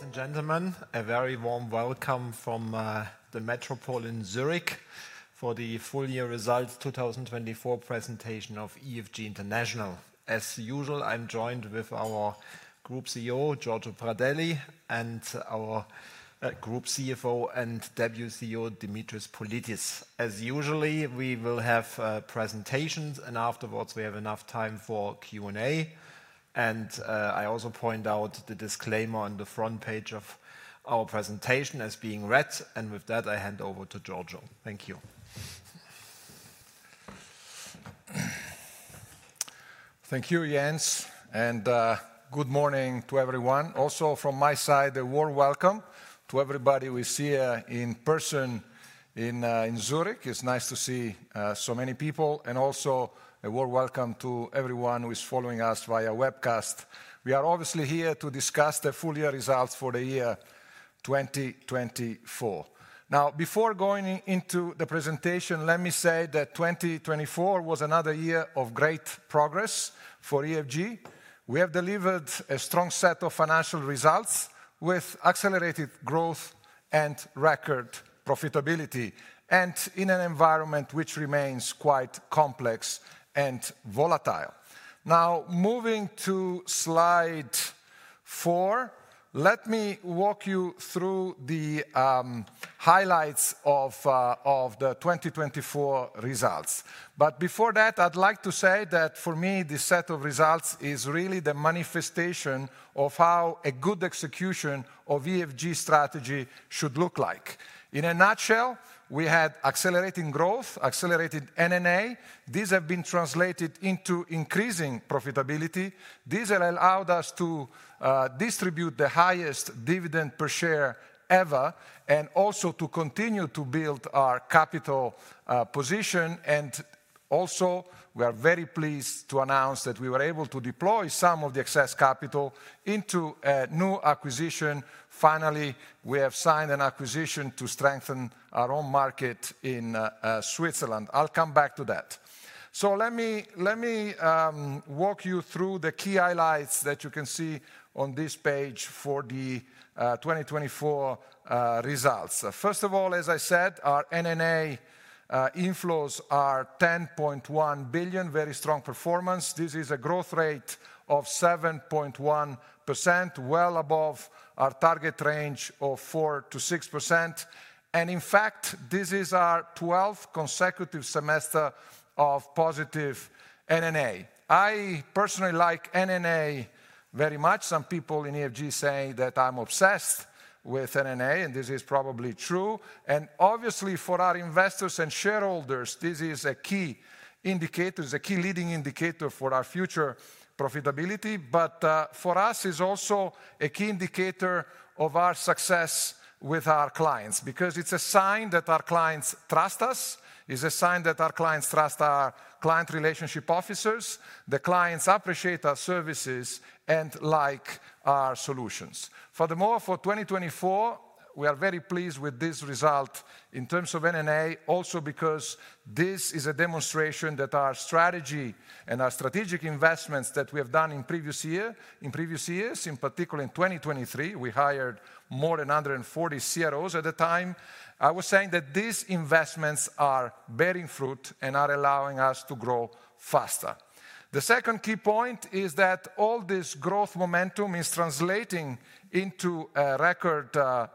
Ladies and gentlemen, a very warm welcome from the Metropol in Zürich for the full year results 2024 presentation of EFG International. As usual, I'm joined with our Group CEO, Giorgio Pradelli, and our Group CFO and Deputy CEO, Dimitris Politis. As usual, we will have presentations, and afterwards we have enough time for Q&A. And I also point out the disclaimer on the front page of our presentation as being read. And with that, I hand over to Giorgio. Thank you. Thank you, Jens, and good morning to everyone. Also from my side, a warm welcome to everybody we see here in person in Zürich. It's nice to see so many people, and also a warm welcome to everyone who is following us via webcast. We are obviously here to discuss the full year results for the year 2024. Now, before going into the presentation, let me say that 2024 was another year of great progress for EFG. We have delivered a strong set of financial results with accelerated growth and record profitability, and in an environment which remains quite complex and volatile. Now, moving to slide four, let me walk you through the highlights of the 2024 results. But before that, I'd like to say that for me, this set of results is really the manifestation of how a good execution of EFG strategy should look like. In a nutshell, we had accelerating growth, accelerating NNA. These have been translated into increasing profitability. These allowed us to distribute the highest dividend per share ever, and also to continue to build our capital position. Also, we are very pleased to announce that we were able to deploy some of the excess capital into a new acquisition. Finally, we have signed an acquisition to strengthen our own market in Switzerland. I'll come back to that. Let me walk you through the key highlights that you can see on this page for the 2024 results. First of all, as I said, our NNA inflows are 10.1 billion, very strong performance. This is a growth rate of 7.1%, well above our target range of 4%-6%. And in fact, this is our 12th consecutive semester of positive NNA. I personally like NNA very much. Some people in EFG say that I'm obsessed with NNA, and this is probably true. And obviously, for our investors and shareholders, this is a key indicator, is a key leading indicator for our future profitability. But for us, it's also a key indicator of our success with our clients, because it's a sign that our clients trust us. It's a sign that our clients trust our client relationship officers. The clients appreciate our services and like our solutions. Furthermore, for 2024, we are very pleased with this result in terms of NNA, also because this is a demonstration that our strategy and our strategic investments that we have done in previous years, in particular in 2023, we hired more than 140 CROs at the time. I was saying that these investments are bearing fruit and are allowing us to grow faster. The second key point is that all this growth momentum is translating into record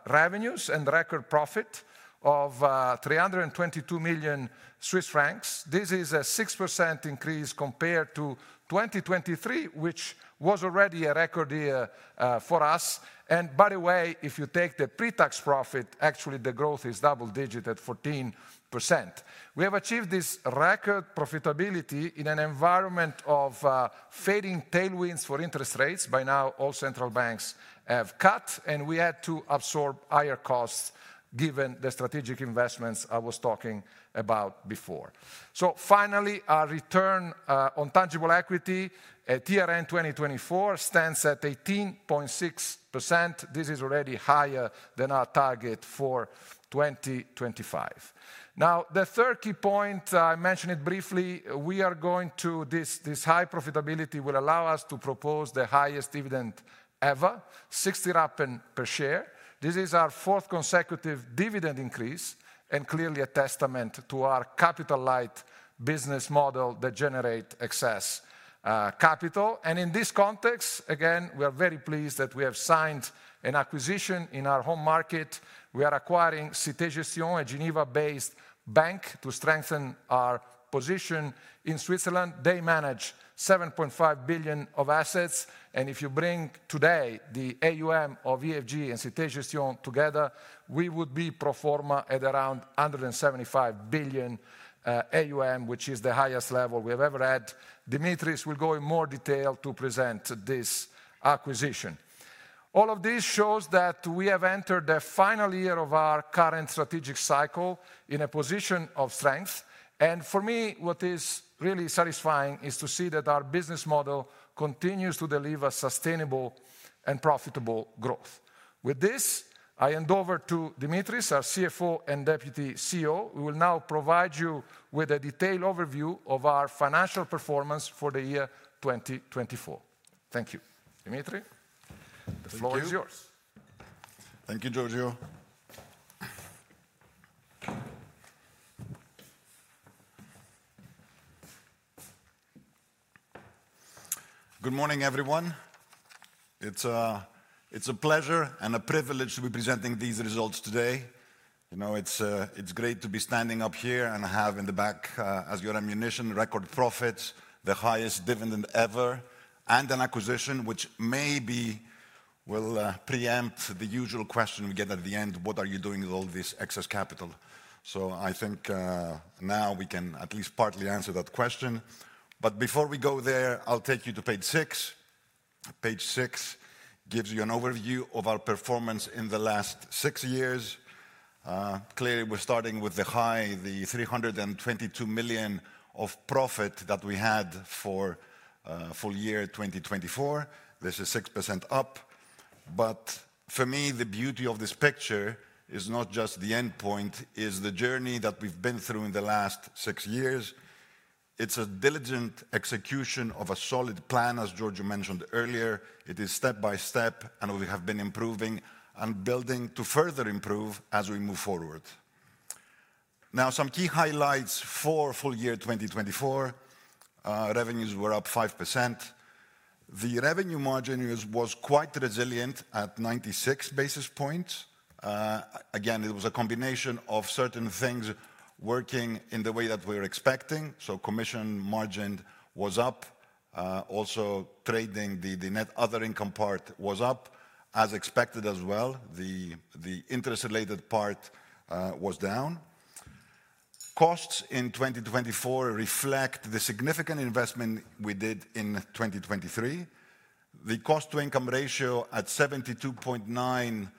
revenues and record profit of 322 million Swiss francs. This is a 6% increase compared to 2023, which was already a record year for us. And by the way, if you take the pre-tax profit, actually the growth is double-digit at 14%. We have achieved this record profitability in an environment of fading tailwinds for interest rates. By now, all central banks have cut, and we had to absorb higher costs given the strategic investments I was talking about before. So finally, our return on tangible equity, RoTE 2024, stands at 18.6%. This is already higher than our target for 2025. Now, the third key point, I mentioned it briefly, we are going to, this high profitability will allow us to propose the highest dividend ever, 0.60 per share. This is our fourth consecutive dividend increase and clearly a testament to our capital-light business model that generates excess capital. In this context, again, we are very pleased that we have signed an acquisition in our home market. We are acquiring Cité Gestion, a Geneva-based bank, to strengthen our position in Switzerland. They manage 7.5 billion of assets. If you bring today the AUM of EFG and Cité Gestion together, we would be pro forma at around 175 billion AUM, which is the highest level we have ever had. Dimitris will go in more detail to present this acquisition. All of this shows that we have entered the final year of our current strategic cycle in a position of strength. For me, what is really satisfying is to see that our business model continues to deliver sustainable and profitable growth. With this, I hand over to Dimitris, our CFO and Deputy CEO. We will now provide you with a detailed overview of our financial performance for the year 2024. Thank you. Dimitris, the floor is yours. Thank you, Giorgio. Good morning, everyone. It's a pleasure and a privilege to be presenting these results today. You know, it's great to be standing up here and have in the back, as your ammunition, record profits, the highest dividend ever, and an acquisition which maybe will preempt the usual question we get at the end, what are you doing with all this excess capital? So I think now we can at least partly answer that question. But before we go there, I'll take you to page six. Page six gives you an overview of our performance in the last six years. Clearly, we're starting with the high, the 322 million of profit that we had for full year 2024. This is 6% up. But for me, the beauty of this picture is not just the end point, it's the journey that we've been through in the last six years. It's a diligent execution of a solid plan, as Giorgio mentioned earlier. It is step by step, and we have been improving and building to further improve as we move forward. Now, some key highlights for full year 2024. Revenues were up 5%. The revenue margin was quite resilient at 96 basis points. Again, it was a combination of certain things working in the way that we were expecting. So commission margin was up. Also, trading, the net other income part was up as expected as well. The interest-related part was down. Costs in 2024 reflect the significant investment we did in 2023. The cost-to-income ratio at 72.9%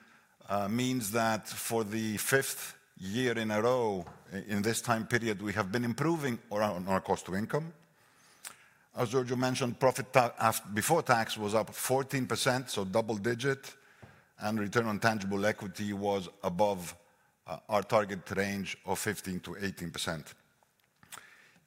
means that for the fifth year in a row in this time period, we have been improving on our cost-to-income. As Giorgio mentioned, profit before tax was up 14%, so double-digit. Return on tangible equity was above our target range of 15%-18%.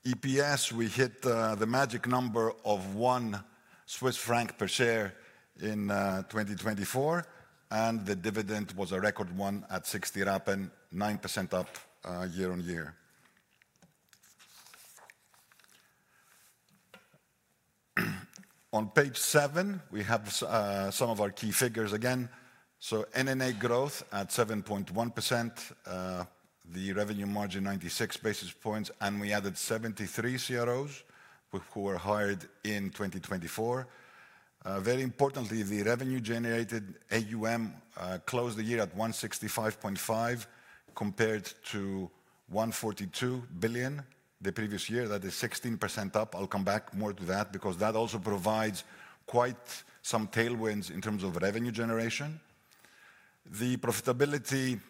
EPS, we hit the magic number of 1 Swiss franc per share in 2024. The dividend was a record one at 0.60, 9% up year-on-year. On page seven, we have some of our key figures again. So NNA growth at 7.1%, the revenue margin 96 basis points, and we added 73 CROs who were hired in 2024. Very importantly, the revenue-generated AUM closed the year at 165.5 billion compared to 142 billion the previous year. That is 16% up. I'll come back more to that because that also provides quite some tailwinds in terms of revenue generation. The profitability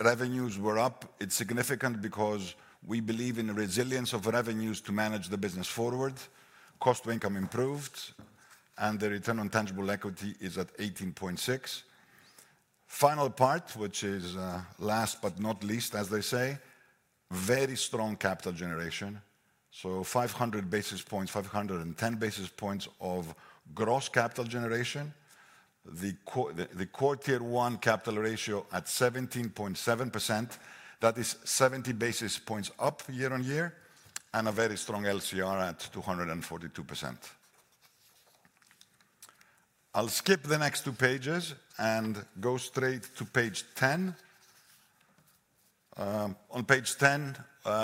revenues were up. It's significant because we believe in the resilience of revenues to manage the business forward. Cost-to-income improved, and the return on tangible equity is at 18.6%. Final part, which is last but not least, as they say, very strong capital generation. So 500 basis points, 510 basis points of gross capital generation. The CET1 capital ratio at 17.7%. That is 70 basis points up year-on-year, and a very strong LCR at 242%. I'll skip the next two pages and go straight to page 10. On page 10,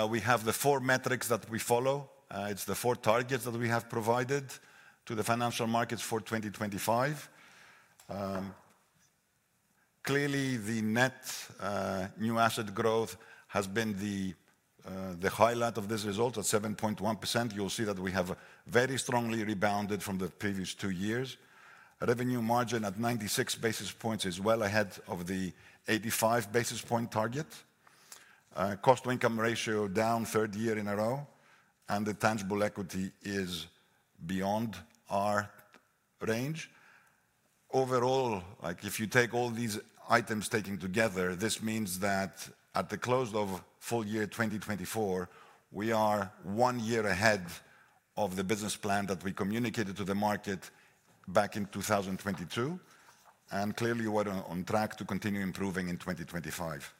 we have the four metrics that we follow. It's the four targets that we have provided to the financial markets for 2025. Clearly, the net new asset growth has been the highlight of this result at 7.1%. You'll see that we have very strongly rebounded from the previous two years. Revenue margin at 96 basis points is well ahead of the 85 basis point target. Cost-to-income ratio down third year in a row, and the tangible equity is beyond our range. Overall, if you take all these items taken together, this means that at the close of full year 2024, we are one year ahead of the business plan that we communicated to the market back in 2022, and clearly we're on track to continue improving in 2025.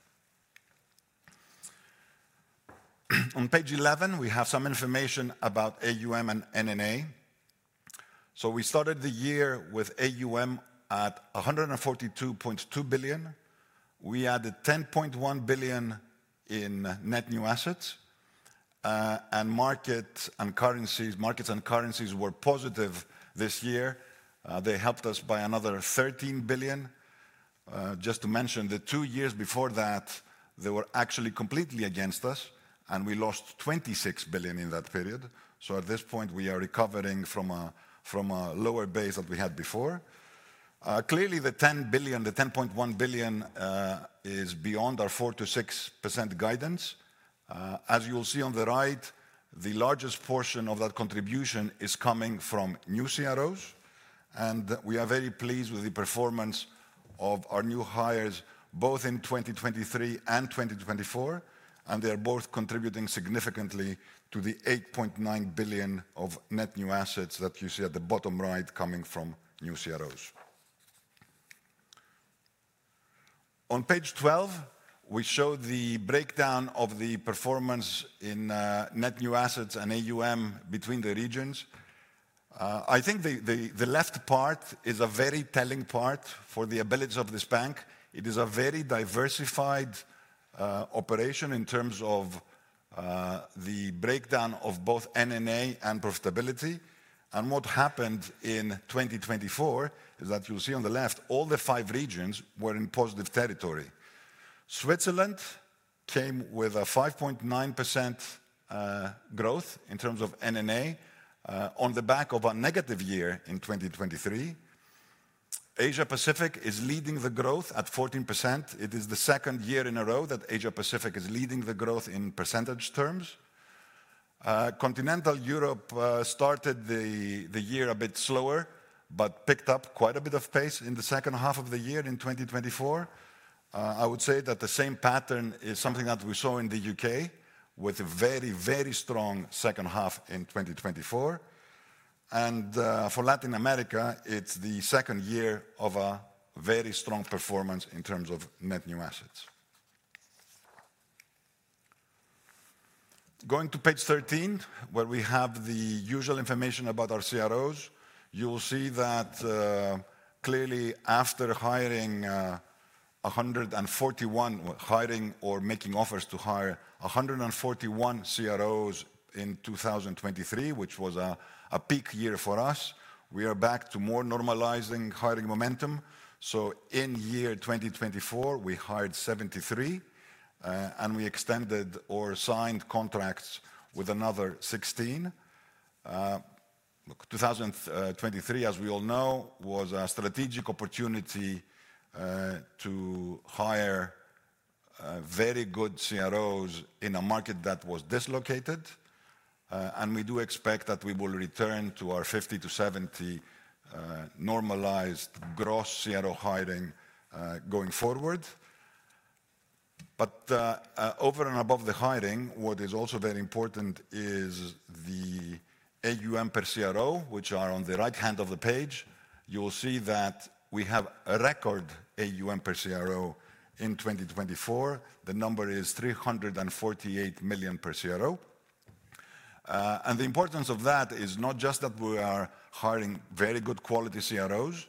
On page 11, we have some information about AUM and NNA. So we started the year with AUM at 142.2 billion. We added 10.1 billion in net new assets, and markets and currencies were positive this year. They helped us by another 13 billion. Just to mention, the two years before that, they were actually completely against us, and we lost 26 billion in that period. So at this point, we are recovering from a lower base that we had before. Clearly, the 10 billion, the 10.1 billion is beyond our 4%-6% guidance. As you'll see on the right, the largest portion of that contribution is coming from new CROs, and we are very pleased with the performance of our new hires both in 2023 and 2024, and they are both contributing significantly to the 8.9 billion of net new assets that you see at the bottom right coming from new CROs. On page 12, we show the breakdown of the performance in net new assets and AUM between the regions. I think the left part is a very telling part for the abilities of this bank. It is a very diversified operation in terms of the breakdown of both NNA and profitability, and what happened in 2024 is that you'll see on the left, all the five regions were in positive territory. Switzerland came with a 5.9% growth in terms of NNA on the back of a negative year in 2023. Asia-Pacific is leading the growth at 14%. It is the second year in a row that Asia-Pacific is leading the growth in percentage terms. Continental Europe started the year a bit slower, but picked up quite a bit of pace in the second half of the year in 2024. I would say that the same pattern is something that we saw in the U.K. with a very, very strong second half in 2024. And for Latin America, it's the second year of a very strong performance in terms of net new assets. Going to page 13, where we have the usual information about our CROs, you'll see that clearly after hiring or making offers to hire 141 CROs in 2023, which was a peak year for us, we are back to more normalizing hiring momentum. In 2024, we hired 73, and we extended or signed contracts with another 16. 2023, as we all know, was a strategic opportunity to hire very good CROs in a market that was dislocated. We do expect that we will return to our 50-70 normalized gross CRO hiring going forward. Over and above the hiring, what is also very important is the AUM per CRO, which are on the right hand of the page. You will see that we have a record AUM per CRO in 2024. The number is 348 million per CRO. The importance of that is not just that we are hiring very good quality CROs,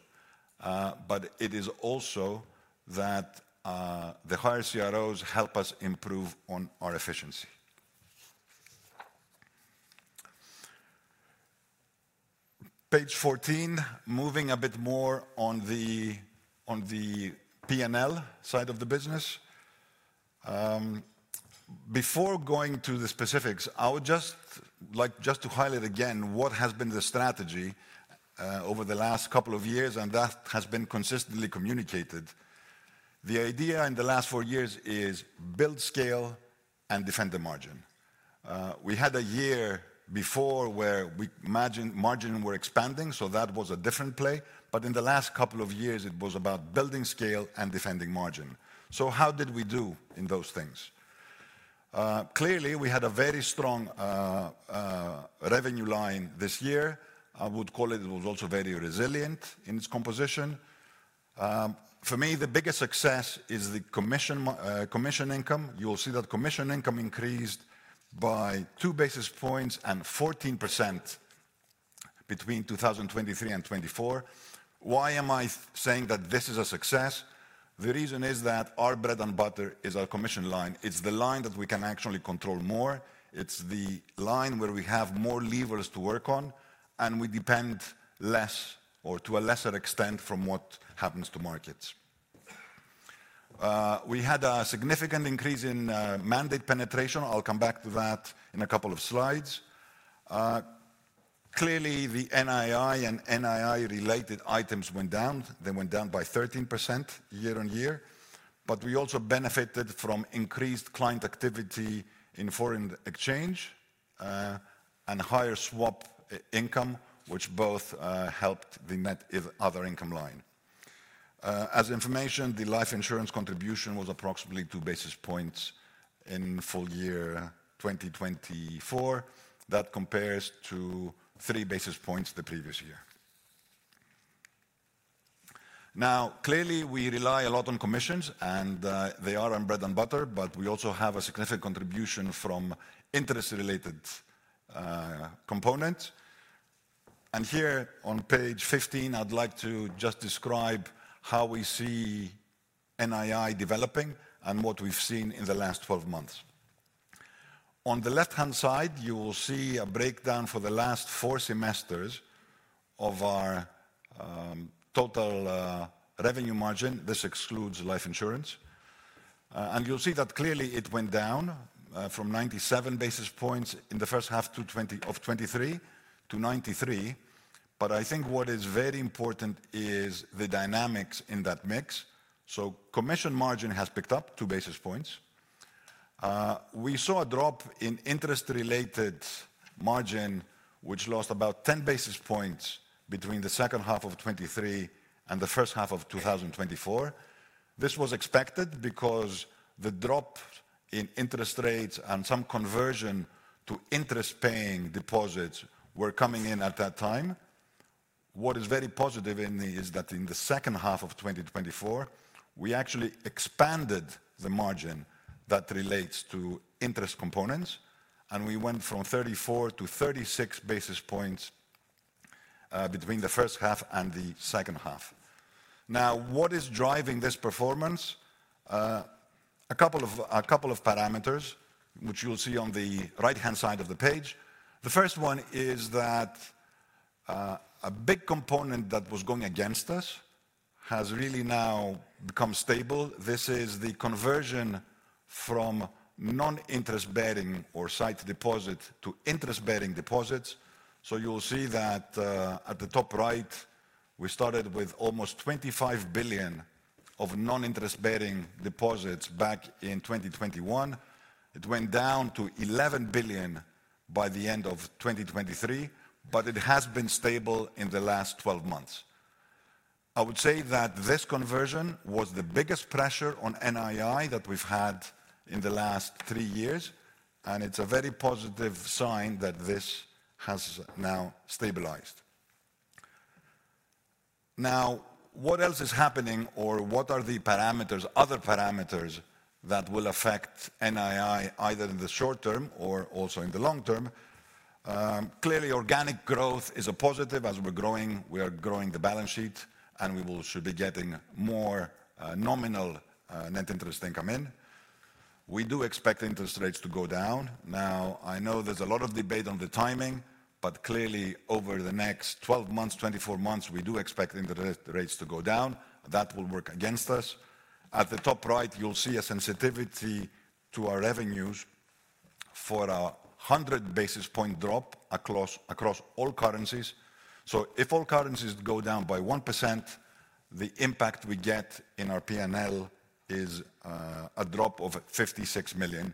but it is also that the higher CROs help us improve on our efficiency. Page 14, moving a bit more on the P&L side of the business. Before going to the specifics, I would just like just to highlight again what has been the strategy over the last couple of years, and that has been consistently communicated. The idea in the last four years is build scale and defend the margin. We had a year before where we imagined margin were expanding, so that was a different play, but in the last couple of years, it was about building scale and defending margin, so how did we do in those things? Clearly, we had a very strong revenue line this year. I would call it, it was also very resilient in its composition. For me, the biggest success is the commission income. You'll see that commission income increased by two basis points and 14% between 2023 and 2024. Why am I saying that this is a success? The reason is that our bread and butter is our commission line. It's the line that we can actually control more. It's the line where we have more levers to work on, and we depend less or to a lesser extent from what happens to markets. We had a significant increase in mandate penetration. I'll come back to that in a couple of slides. Clearly, the NII and NII related items went down. They went down by 13% year-on-year. But we also benefited from increased client activity in foreign exchange and higher swap income, which both helped the net other income line. As information, the life insurance contribution was approximately two basis points in full year 2024. That compares to three basis points the previous year. Now, clearly, we rely a lot on commissions, and they are our bread and butter, but we also have a significant contribution from interest-related components. And here on page 15, I'd like to just describe how we see NII developing and what we've seen in the last 12 months. On the left-hand side, you'll see a breakdown for the last four semesters of our total revenue margin. This excludes life insurance. And you'll see that clearly it went down from 97 basis points in the first half of 2023 to 93 basis points. But I think what is very important is the dynamics in that mix. So commission margin has picked up 2 basis points. We saw a drop in interest-related margin, which lost about 10 basis points between the second half of 2023 and the first half of 2024. This was expected because the drop in interest rates and some conversion to interest-paying deposits were coming in at that time. What is very positive to me is that in the second half of 2024, we actually expanded the margin that relates to interest components, and we went from 34-36 basis points between the first half and the second half. Now, what is driving this performance? A couple of parameters, which you'll see on the right-hand side of the page. The first one is that a big component that was going against us has really now become stable. This is the conversion from non-interest-bearing or sight deposit to interest-bearing deposits. So you'll see that at the top right, we started with almost 25 billion of non-interest-bearing deposits back in 2021. It went down to 11 billion by the end of 2023, but it has been stable in the last 12 months. I would say that this conversion was the biggest pressure on NII that we've had in the last three years, and it's a very positive sign that this has now stabilized. Now, what else is happening or what are the other parameters that will affect NII either in the short term or also in the long term? Clearly, organic growth is a positive. As we're growing, we are growing the balance sheet, and we should be getting more nominal net interest income in. We do expect interest rates to go down. Now, I know there's a lot of debate on the timing, but clearly, over the next 12 months, 24 months, we do expect interest rates to go down. That will work against us. At the top right, you'll see a sensitivity to our revenues for a 100 basis points drop across all currencies. So if all currencies go down by 1%, the impact we get in our P&L is a drop of 56 million,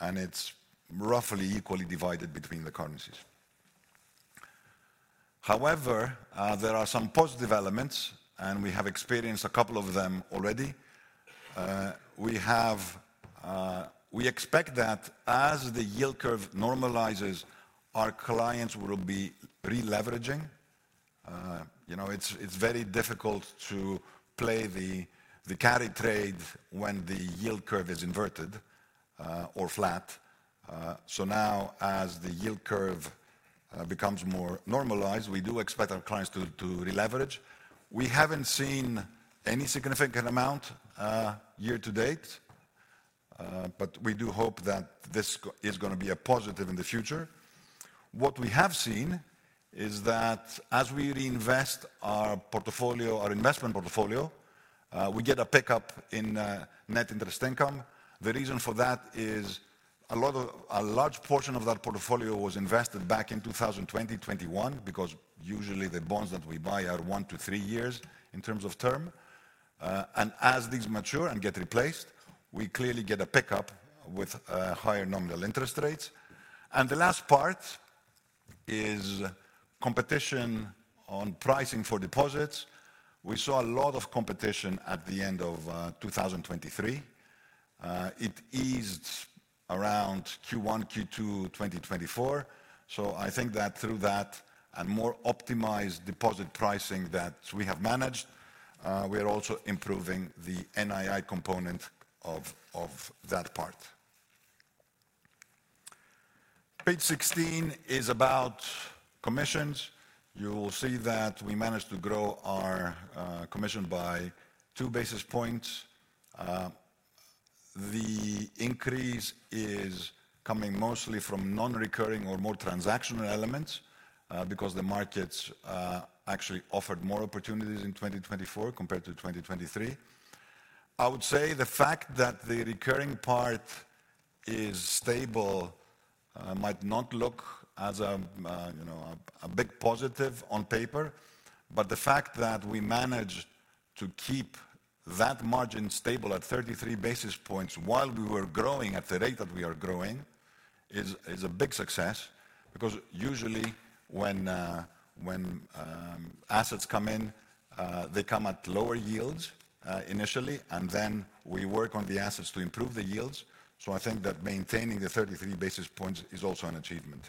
and it's roughly equally divided between the currencies. However, there are some positive elements, and we have experienced a couple of them already. We expect that as the yield curve normalizes, our clients will be re-leveraging. It's very difficult to play the carry trade when the yield curve is inverted or flat. So now, as the yield curve becomes more normalized, we do expect our clients to re-leveraging. We haven't seen any significant amount year-to-date, but we do hope that this is going to be a positive in the future. What we have seen is that as we reinvest our portfolio, our investment portfolio, we get a pickup in net interest income. The reason for that is a large portion of that portfolio was invested back in 2020, 2021, because usually the bonds that we buy are one to three years in terms of term. And as these mature and get replaced, we clearly get a pickup with higher nominal interest rates. And the last part is competition on pricing for deposits. We saw a lot of competition at the end of 2023. It eased around Q1, Q2, 2024. So I think that through that and more optimized deposit pricing that we have managed, we are also improving the NII component of that part. Page 16 is about commissions. You will see that we managed to grow our commission by 2 basis points. The increase is coming mostly from non-recurring or more transactional elements because the markets actually offered more opportunities in 2024 compared to 2023. I would say the fact that the recurring part is stable might not look as a big positive on paper, but the fact that we managed to keep that margin stable at 33 basis points while we were growing at the rate that we are growing is a big success because usually when assets come in, they come at lower yields initially, and then we work on the assets to improve the yields. So I think that maintaining the 33 basis points is also an achievement.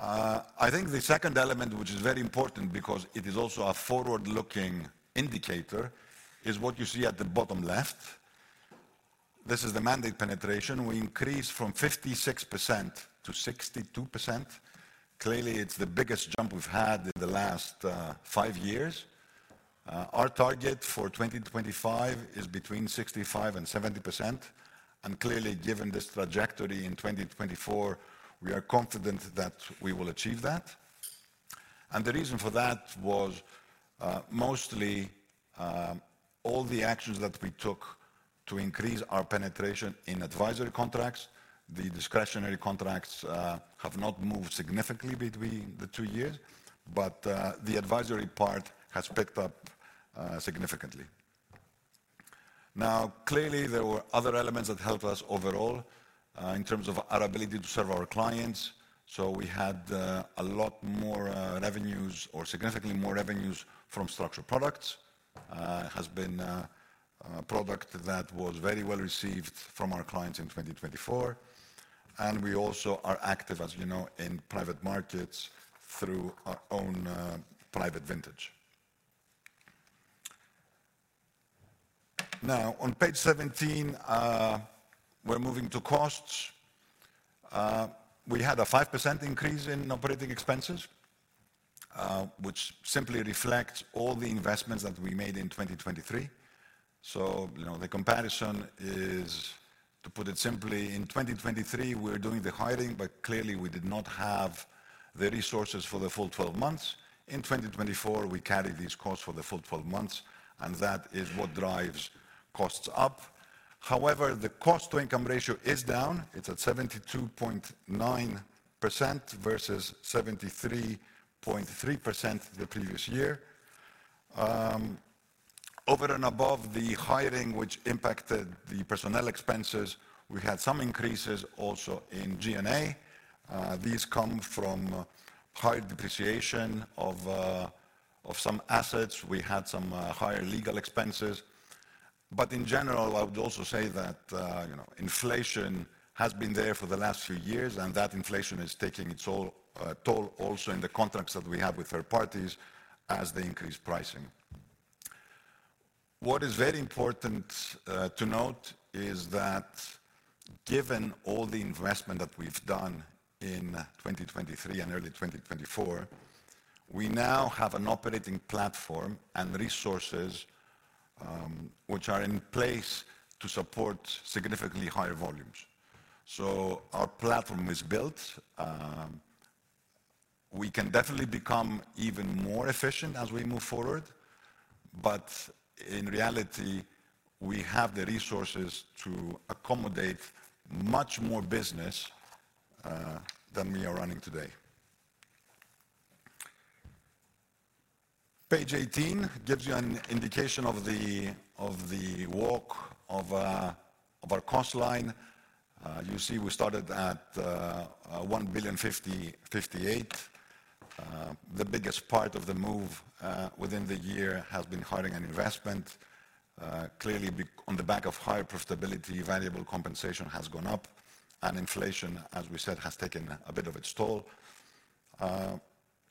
I think the second element, which is very important because it is also a forward-looking indicator, is what you see at the bottom left. This is the mandate penetration. We increased from 56% to 62%. Clearly, it's the biggest jump we've had in the last five years. Our target for 2025 is between 65% and 70%, and clearly, given this trajectory in 2024, we are confident that we will achieve that, and the reason for that was mostly all the actions that we took to increase our penetration in advisory contracts. The discretionary contracts have not moved significantly between the two years, but the advisory part has picked up significantly. Now, clearly, there were other elements that helped us overall in terms of our ability to serve our clients, so we had a lot more revenues or significantly more revenues from structured products. It has been a product that was very well received from our clients in 2024, and we also are active, as you know, in private markets through our own private vintage. Now, on page 17, we're moving to costs. We had a 5% increase in operating expenses, which simply reflects all the investments that we made in 2023, so the comparison is, to put it simply, in 2023, we were doing the hiring, but clearly, we did not have the resources for the full 12 months. In 2024, we carried these costs for the full 12 months, and that is what drives costs up. However, the cost-to-income ratio is down. It's at 72.9% vs 73.3% the previous year. Over and above the hiring, which impacted the personnel expenses, we had some increases also in G&A. These come from higher depreciation of some assets. We had some higher legal expenses. But in general, I would also say that inflation has been there for the last few years, and that inflation is taking its toll also in the contracts that we have with third parties as they increase pricing. What is very important to note is that given all the investment that we've done in 2023 and early 2024, we now have an operating platform and resources which are in place to support significantly higher volumes. So our platform is built. We can definitely become even more efficient as we move forward, but in reality, we have the resources to accommodate much more business than we are running today. Page 18 gives you an indication of the walk of our cost line. You see we started at 1.058 billion. The biggest part of the move within the year has been hiring and investment. Clearly, on the back of higher profitability, variable compensation has gone up, and inflation, as we said, has taken a bit of its toll.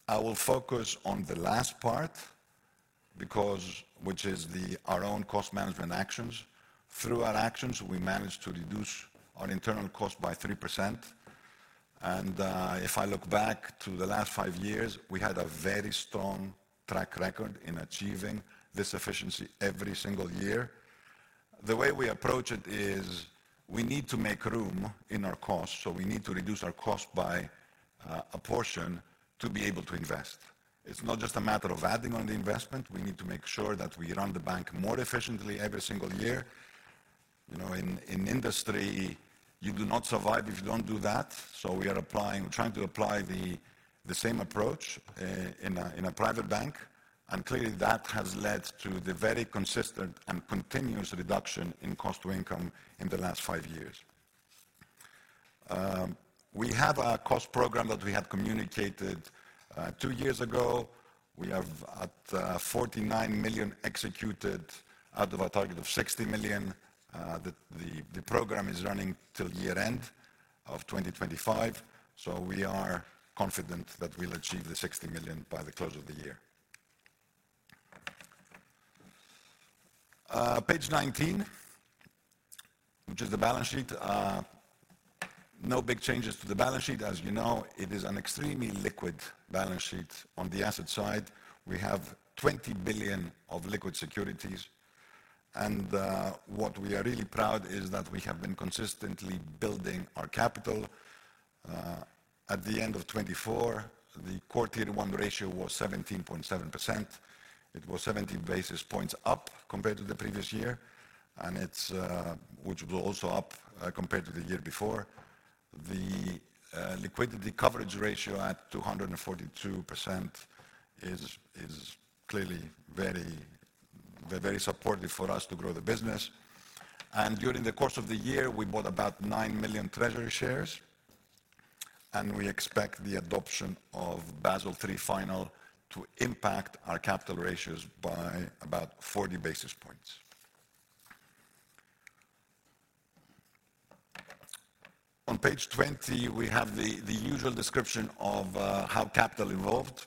I will focus on the last part, which is our own cost management actions. Through our actions, we managed to reduce our internal cost by 3%, and if I look back to the last five years, we had a very strong track record in achieving this efficiency every single year. The way we approach it is we need to make room in our costs, so we need to reduce our cost by a portion to be able to invest. It's not just a matter of adding on the investment. We need to make sure that we run the bank more efficiently every single year. In industry, you do not survive if you don't do that, so we are trying to apply the same approach in a private bank, and clearly, that has led to the very consistent and continuous reduction in cost-to-income in the last five years. We have a cost program that we had communicated two years ago. We have 49 million executed out of a target of 60 million. The program is running till year-end of 2025, so we are confident that we'll achieve the 60 million by the close of the year. Page 19, which is the balance sheet. No big changes to the balance sheet. As you know, it is an extremely liquid balance sheet on the asset side. We have 20 billion of liquid securities, and what we are really proud of is that we have been consistently building our capital. At the end of 2024, the quarter-to-year-one ratio was 17.7%. It was 17 basis points up compared to the previous year, which was also up compared to the year before. The liquidity coverage ratio at 242% is clearly very supportive for us to grow the business. During the course of the year, we bought about nine million treasury shares, and we expect the adoption of Basel III Final to impact our capital ratios by about 40 basis points. On page 20, we have the usual description of how capital evolved.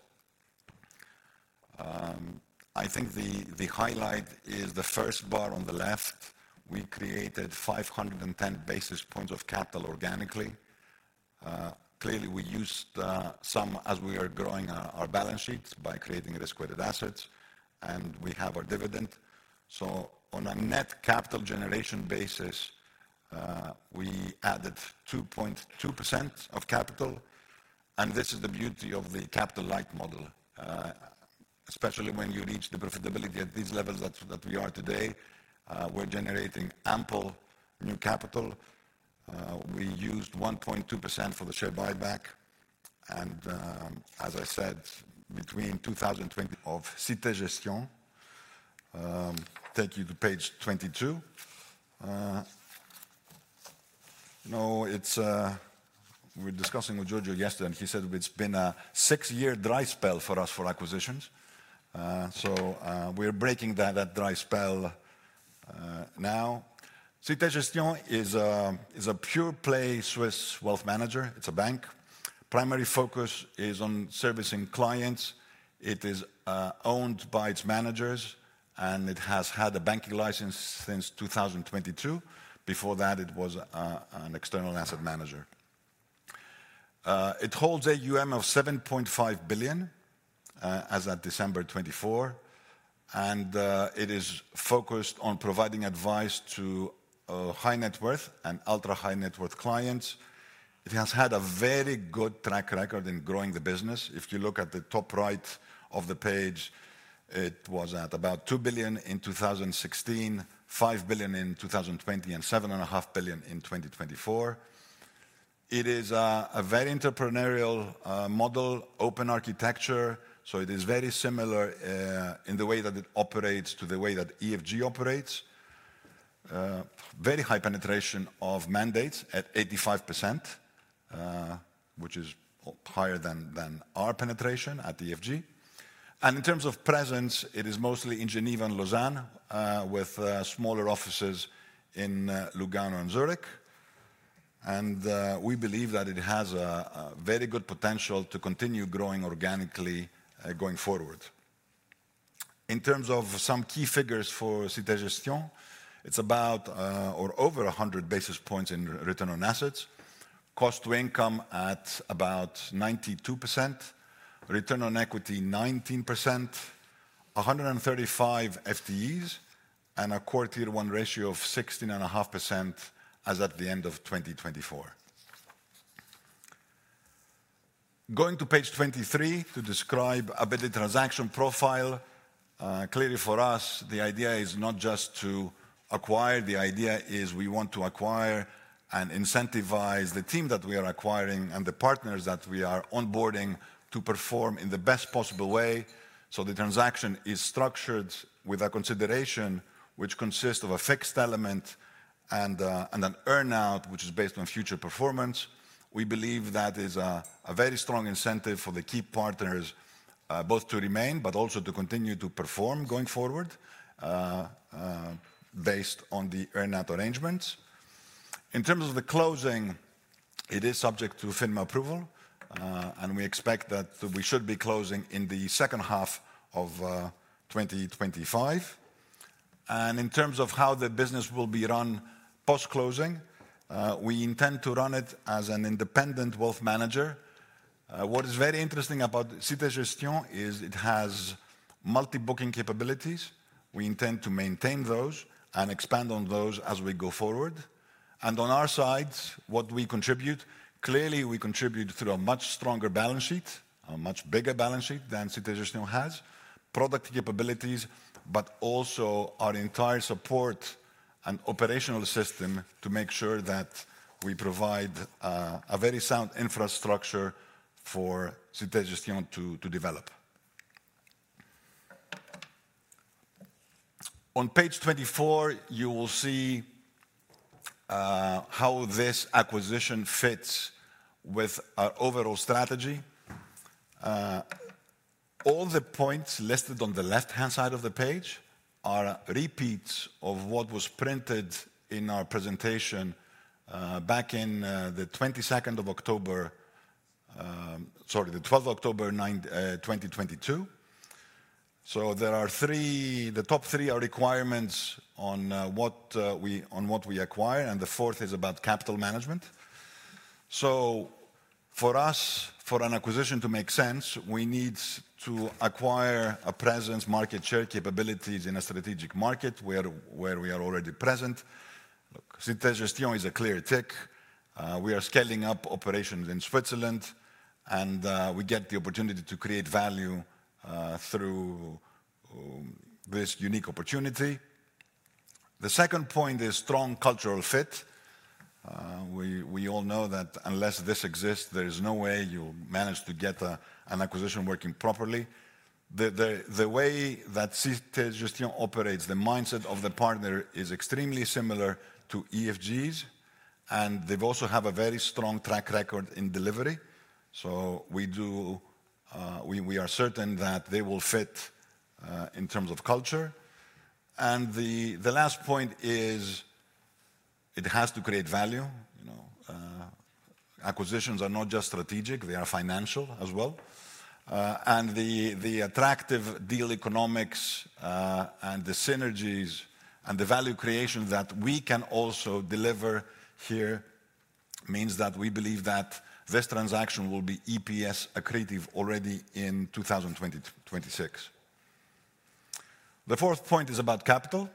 I think the highlight is the first bar on the left. We created 510 basis points of capital organically. Clearly, we used some as we are growing our balance sheets by creating risk-weighted assets, and we have our dividend. So on a net capital generation basis, we added 2.2% of capital, and this is the beauty of the capital-light model, especially when you reach the profitability at these levels that we are today. We're generating ample new capital. We used 1.2% for the share buyback, and as I said, between 2020. Of Cité Gestion. Take you to page 22. We were discussing with Giorgio yesterday. He said it's been a six-year dry spell for us for acquisitions, so we're breaking that dry spell now. Cité Gestion is a pure-play Swiss wealth manager. It's a bank. Primary focus is on servicing clients. It is owned by its managers, and it has had a banking license since 2022. Before that, it was an external asset manager. It holds AUM of 7.5 billion as of December 2024, and it is focused on providing advice to high-net-worth and ultra-high-net-worth clients. It has had a very good track record in growing the business. If you look at the top right of the page, it was at about 2 billion in 2016, 5 billion in 2020, and 7.5 billion in 2024. It is a very entrepreneurial model, open architecture, so it is very similar in the way that it operates to the way that EFG operates. Very high penetration of mandates at 85%, which is higher than our penetration at EFG. In terms of presence, it is mostly in Geneva and Lausanne with smaller offices in Lugano and Zürich. We believe that it has a very good potential to continue growing organically going forward. In terms of some key figures for Cité Gestion, it's about or over 100 basis points in return on assets, cost-to-income at about 92%, return on equity 19%, 135 FTEs, and a quarter-to-year-one ratio of 16.5% as at the end of 2024. Going to page 23 to describe a bit of the transaction profile. Clearly, for us, the idea is not just to acquire. The idea is we want to acquire and incentivize the team that we are acquiring and the partners that we are onboarding to perform in the best possible way. The transaction is structured with a consideration which consists of a fixed element and an earnout which is based on future performance. We believe that is a very strong incentive for the key partners both to remain but also to continue to perform going forward based on the earnout arrangements. In terms of the closing, it is subject to FINMA approval, and we expect that we should be closing in the second half of 2025. In terms of how the business will be run post-closing, we intend to run it as an independent wealth manager. What is very interesting about Cité Gestion is it has multi-booking capabilities. We intend to maintain those and expand on those as we go forward. And on our side, what we contribute, clearly, we contribute through a much stronger balance sheet, a much bigger balance sheet than Cité Gestion has, product capabilities, but also our entire support and operational system to make sure that we provide a very sound infrastructure for Cité Gestion to develop. On page 24, you will see how this acquisition fits with our overall strategy. All the points listed on the left-hand side of the page are repeats of what was printed in our presentation back on the 22nd of October, sorry, the 12th of October 2022. So the top three are requirements on what we acquire, and the fourth is about capital management. So for us, for an acquisition to make sense, we need to acquire a presence, market share capabilities in a strategic market where we are already present. Cité Gestion is a clear tick. We are scaling up operations in Switzerland, and we get the opportunity to create value through this unique opportunity. The second point is strong cultural fit. We all know that unless this exists, there is no way you'll manage to get an acquisition working properly. The way that Cité Gestion operates, the mindset of the partner is extremely similar to EFG's, and they also have a very strong track record in delivery. So we are certain that they will fit in terms of culture, and the last point is it has to create value. Acquisitions are not just strategic. They are financial as well, and the attractive deal economics and the synergies and the value creation that we can also deliver here means that we believe that this transaction will be EPS accretive already in 2026. The fourth point is about capital.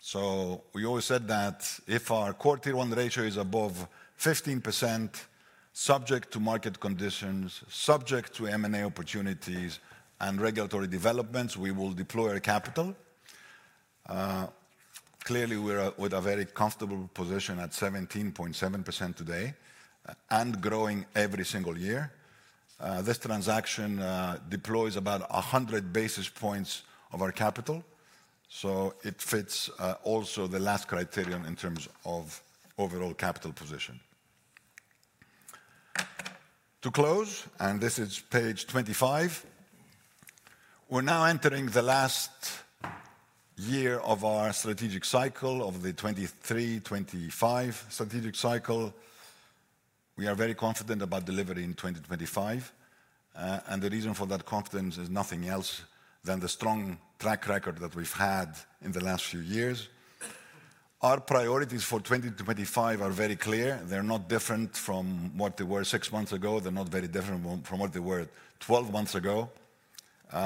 So we always said that if our CET1 capital ratio is above 15%, subject to market conditions, subject to M&A opportunities, and regulatory developments, we will deploy our capital. Clearly, we're with a very comfortable position at 17.7% today and growing every single year. This transaction deploys about 100 basis points of our capital, so it fits also the last criterion in terms of overall capital position. To close, and this is page 25, we're now entering the last year of our strategic cycle, of the 2023-2025 strategic cycle. We are very confident about delivery in 2025, and the reason for that confidence is nothing else than the strong track record that we've had in the last few years. Our priorities for 2025 are very clear. They're not different from what they were six months ago. They're not very different from what they were 12 months ago.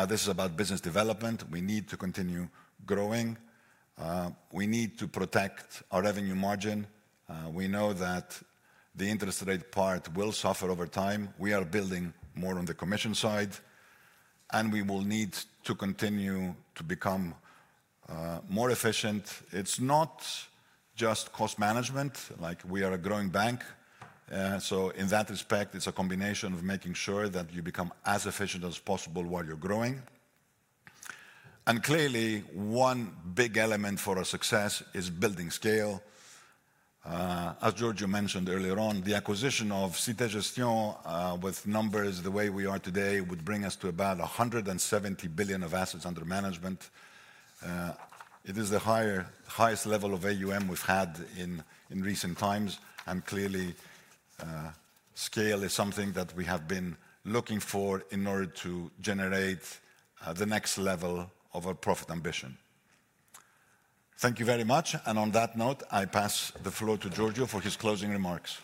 This is about business development. We need to continue growing. We need to protect our revenue margin. We know that the interest rate part will suffer over time. We are building more on the commission side, and we will need to continue to become more efficient. It's not just cost management. We are a growing bank, so in that respect, it's a combination of making sure that you become as efficient as possible while you're growing. And clearly, one big element for our success is building scale. As Giorgio mentioned earlier on, the acquisition of Cité Gestion with numbers the way we are today would bring us to about 170 billion of assets under management. It is the highest level of AUM we've had in recent times, and clearly, scale is something that we have been looking for in order to generate the next level of our profit ambition. Thank you very much, and on that note, I pass the floor to Giorgio for his closing remarks.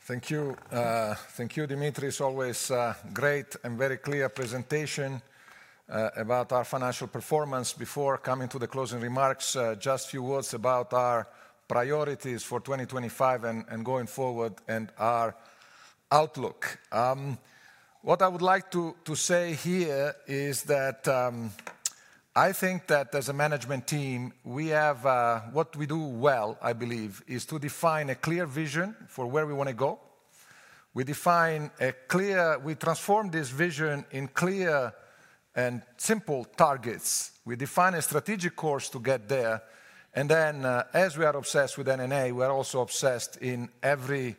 Thank you. Thank you, Dimitris. Always great and very clear presentation about our financial performance. Before coming to the closing remarks, just a few words about our priorities for 2025 and going forward and our outlook. What I would like to say here is that I think that as a management team, what we do well, I believe, is to define a clear vision for where we want to go. We transform this vision in clear and simple targets. We define a strategic course to get there, and then as we are obsessed with M&A, we are also obsessed in very,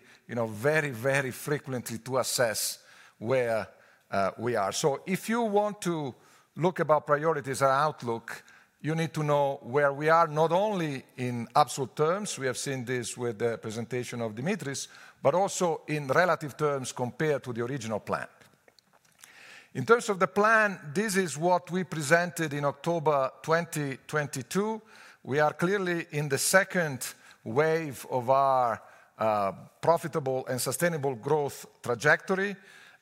very frequently to assess where we are. If you want to look at our priorities, our outlook, you need to know where we are, not only in absolute terms. We have seen this with the presentation of Dimitris, but also in relative terms compared to the original plan. In terms of the plan, this is what we presented in October 2022. We are clearly in the second wave of our profitable and sustainable growth trajectory.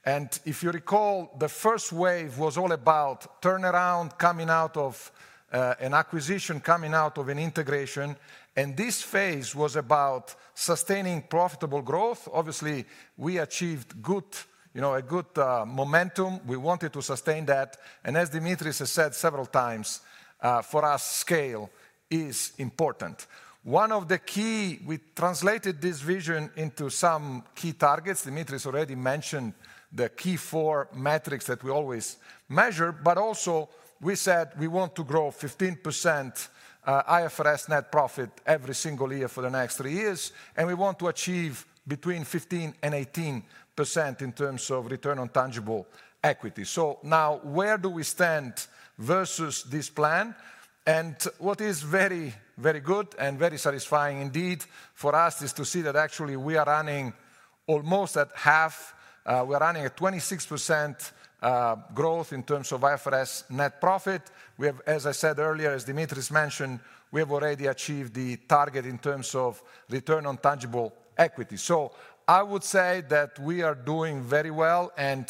If you recall, the first wave was all about turnaround, coming out of an acquisition, coming out of an integration, and this phase was about sustaining profitable growth. Obviously, we achieved a good momentum. We wanted to sustain that, and as Dimitris has said several times, for us, scale is important. One of the key we translated this vision into some key targets. Dimitris already mentioned the key four metrics that we always measure, but also we said we want to grow 15% IFRS net profit every single year for the next three years, and we want to achieve between 15% and 18% in terms of return on tangible equity. So now, where do we stand vs this plan? And what is very, very good and very satisfying indeed for us is to see that actually we are running almost at half. We are running at 26% growth in terms of IFRS net profit. We have, as I said earlier, as Dimitris mentioned, we have already achieved the target in terms of return on tangible equity. So I would say that we are doing very well, and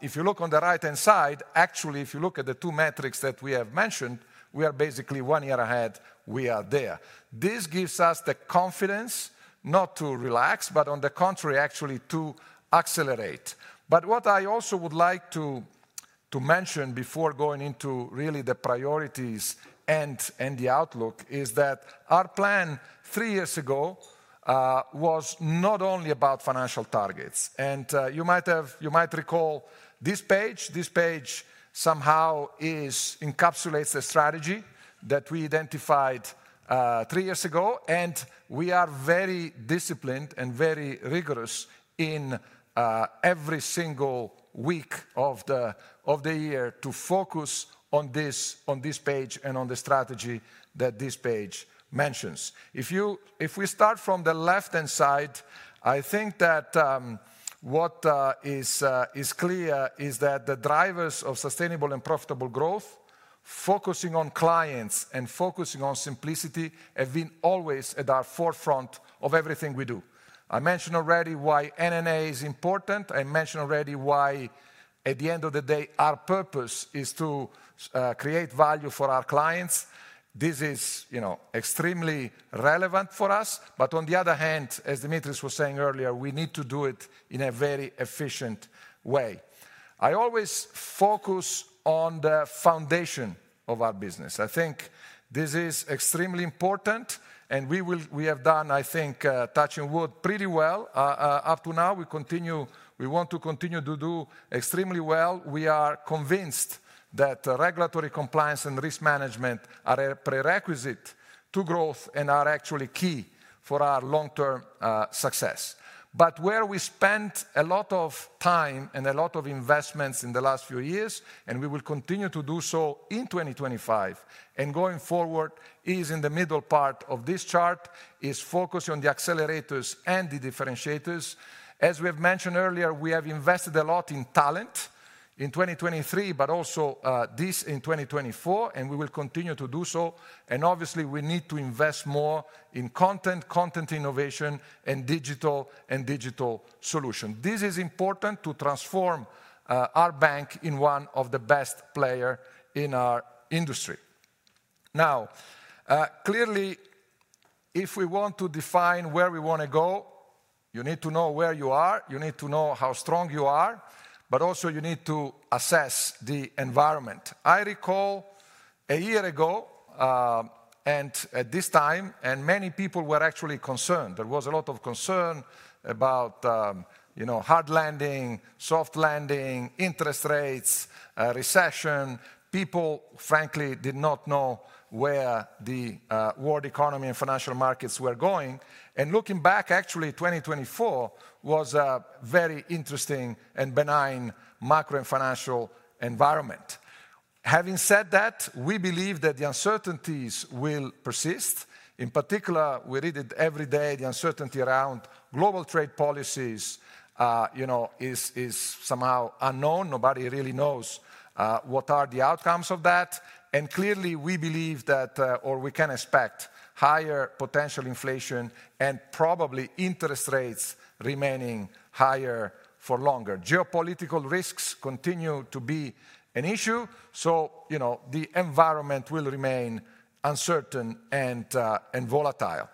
if you look on the right-hand side, actually, if you look at the two metrics that we have mentioned, we are basically one year ahead. We are there. This gives us the confidence not to relax, but on the contrary, actually to accelerate. But what I also would like to mention before going into really the priorities and the outlook is that our plan three years ago was not only about financial targets. And you might recall this page. This page somehow encapsulates the strategy that we identified three years ago, and we are very disciplined and very rigorous in every single week of the year to focus on this page and on the strategy that this page mentions. If we start from the left-hand side, I think that what is clear is that the drivers of sustainable and profitable growth, focusing on clients and focusing on simplicity, have been always at our forefront of everything we do. I mentioned already why M&A is important. I mentioned already why at the end of the day, our purpose is to create value for our clients. This is extremely relevant for us, but on the other hand, as Dimitris was saying earlier, we need to do it in a very efficient way. I always focus on the foundation of our business. I think this is extremely important, and we have done, I think, touching wood pretty well up to now. We want to continue to do extremely well. We are convinced that regulatory compliance and risk management are a prerequisite to growth and are actually key for our long-term success. But where we spent a lot of time and a lot of investments in the last few years, and we will continue to do so in 2025 and going forward, is in the middle part of this chart, is focusing on the accelerators and the differentiators. As we have mentioned earlier, we have invested a lot in talent in 2023, but also this in 2024, and we will continue to do so, and obviously, we need to invest more in content, content innovation, and digital solutions. This is important to transform our bank in one of the best players in our industry. Now, clearly, if we want to define where we want to go, you need to know where you are. You need to know how strong you are, but also you need to assess the environment. I recall a year ago and at this time, and many people were actually concerned. There was a lot of concern about hard landing, soft landing, interest rates, recession. People, frankly, did not know where the world economy and financial markets were going, and looking back, actually, 2024 was a very interesting and benign macro and financial environment. Having said that, we believe that the uncertainties will persist. In particular, we read it every day, the uncertainty around global trade policies is somehow unknown. Nobody really knows what are the outcomes of that. And clearly, we believe that, or we can expect, higher potential inflation and probably interest rates remaining higher for longer. Geopolitical risks continue to be an issue, so the environment will remain uncertain and volatile.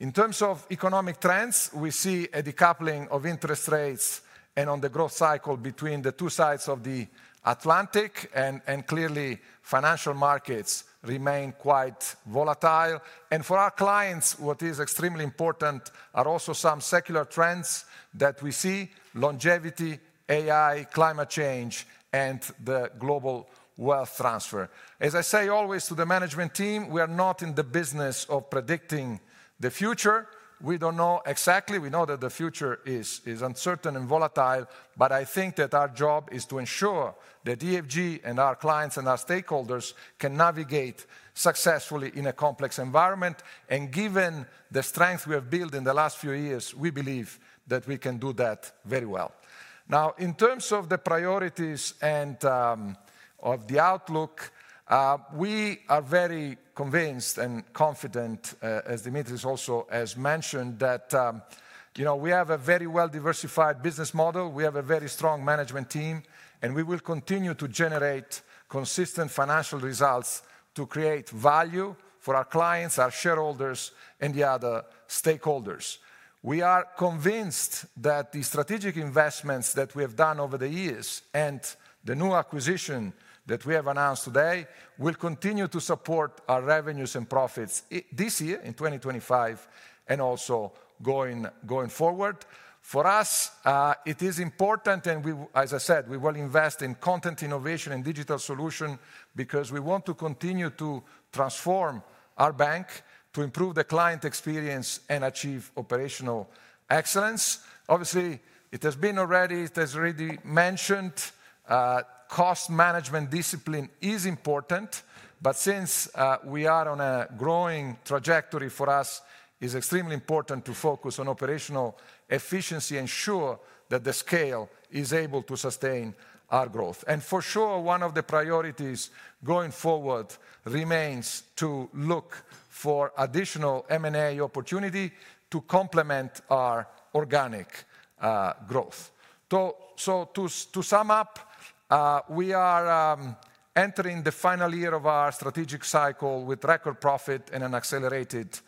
In terms of economic trends, we see a decoupling of interest rates and on the growth cycle between the two sides of the Atlantic, and clearly, financial markets remain quite volatile. And for our clients, what is extremely important are also some secular trends that we see: longevity, AI, climate change, and the global wealth transfer. As I say always to the management team, we are not in the business of predicting the future. We don't know exactly. We know that the future is uncertain and volatile, but I think that our job is to ensure that EFG and our clients and our stakeholders can navigate successfully in a complex environment. And given the strength we have built in the last few years, we believe that we can do that very well. Now, in terms of the priorities and of the outlook, we are very convinced and confident, as Dimitris also has mentioned, that we have a very well-diversified business model. We have a very strong management team, and we will continue to generate consistent financial results to create value for our clients, our shareholders, and the other stakeholders. We are convinced that the strategic investments that we have done over the years and the new acquisition that we have announced today will continue to support our revenues and profits this year, in 2025, and also going forward. For us, it is important, and as I said, we will invest in content innovation and digital solutions because we want to continue to transform our bank to improve the client experience and achieve operational excellence. Obviously, it has been already mentioned, cost management discipline is important, but since we are on a growing trajectory, for us, it is extremely important to focus on operational efficiency and ensure that the scale is able to sustain our growth, and for sure, one of the priorities going forward remains to look for additional M&A opportunity to complement our organic growth, so to sum up, we are entering the final year of our strategic cycle with record profit and an accelerated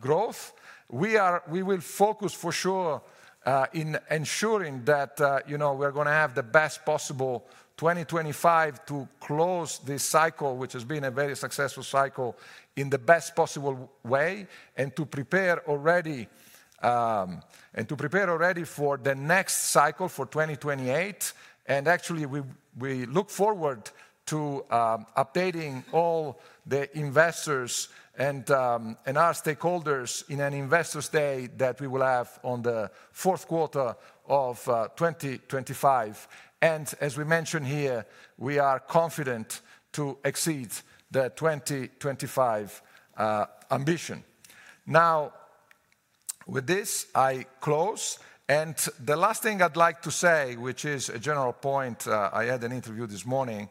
growth. We will focus for sure in ensuring that we're going to have the best possible 2025 to close this cycle, which has been a very successful cycle, in the best possible way and to prepare already for the next cycle for 2028. And actually, we look forward to updating all the investors and our stakeholders in an Investor's Day that we will have on the fourth quarter of 2025. And as we mentioned here, we are confident to exceed the 2025 ambition. Now, with this, I close. And the last thing I'd like to say, which is a general point I had an interview this morning,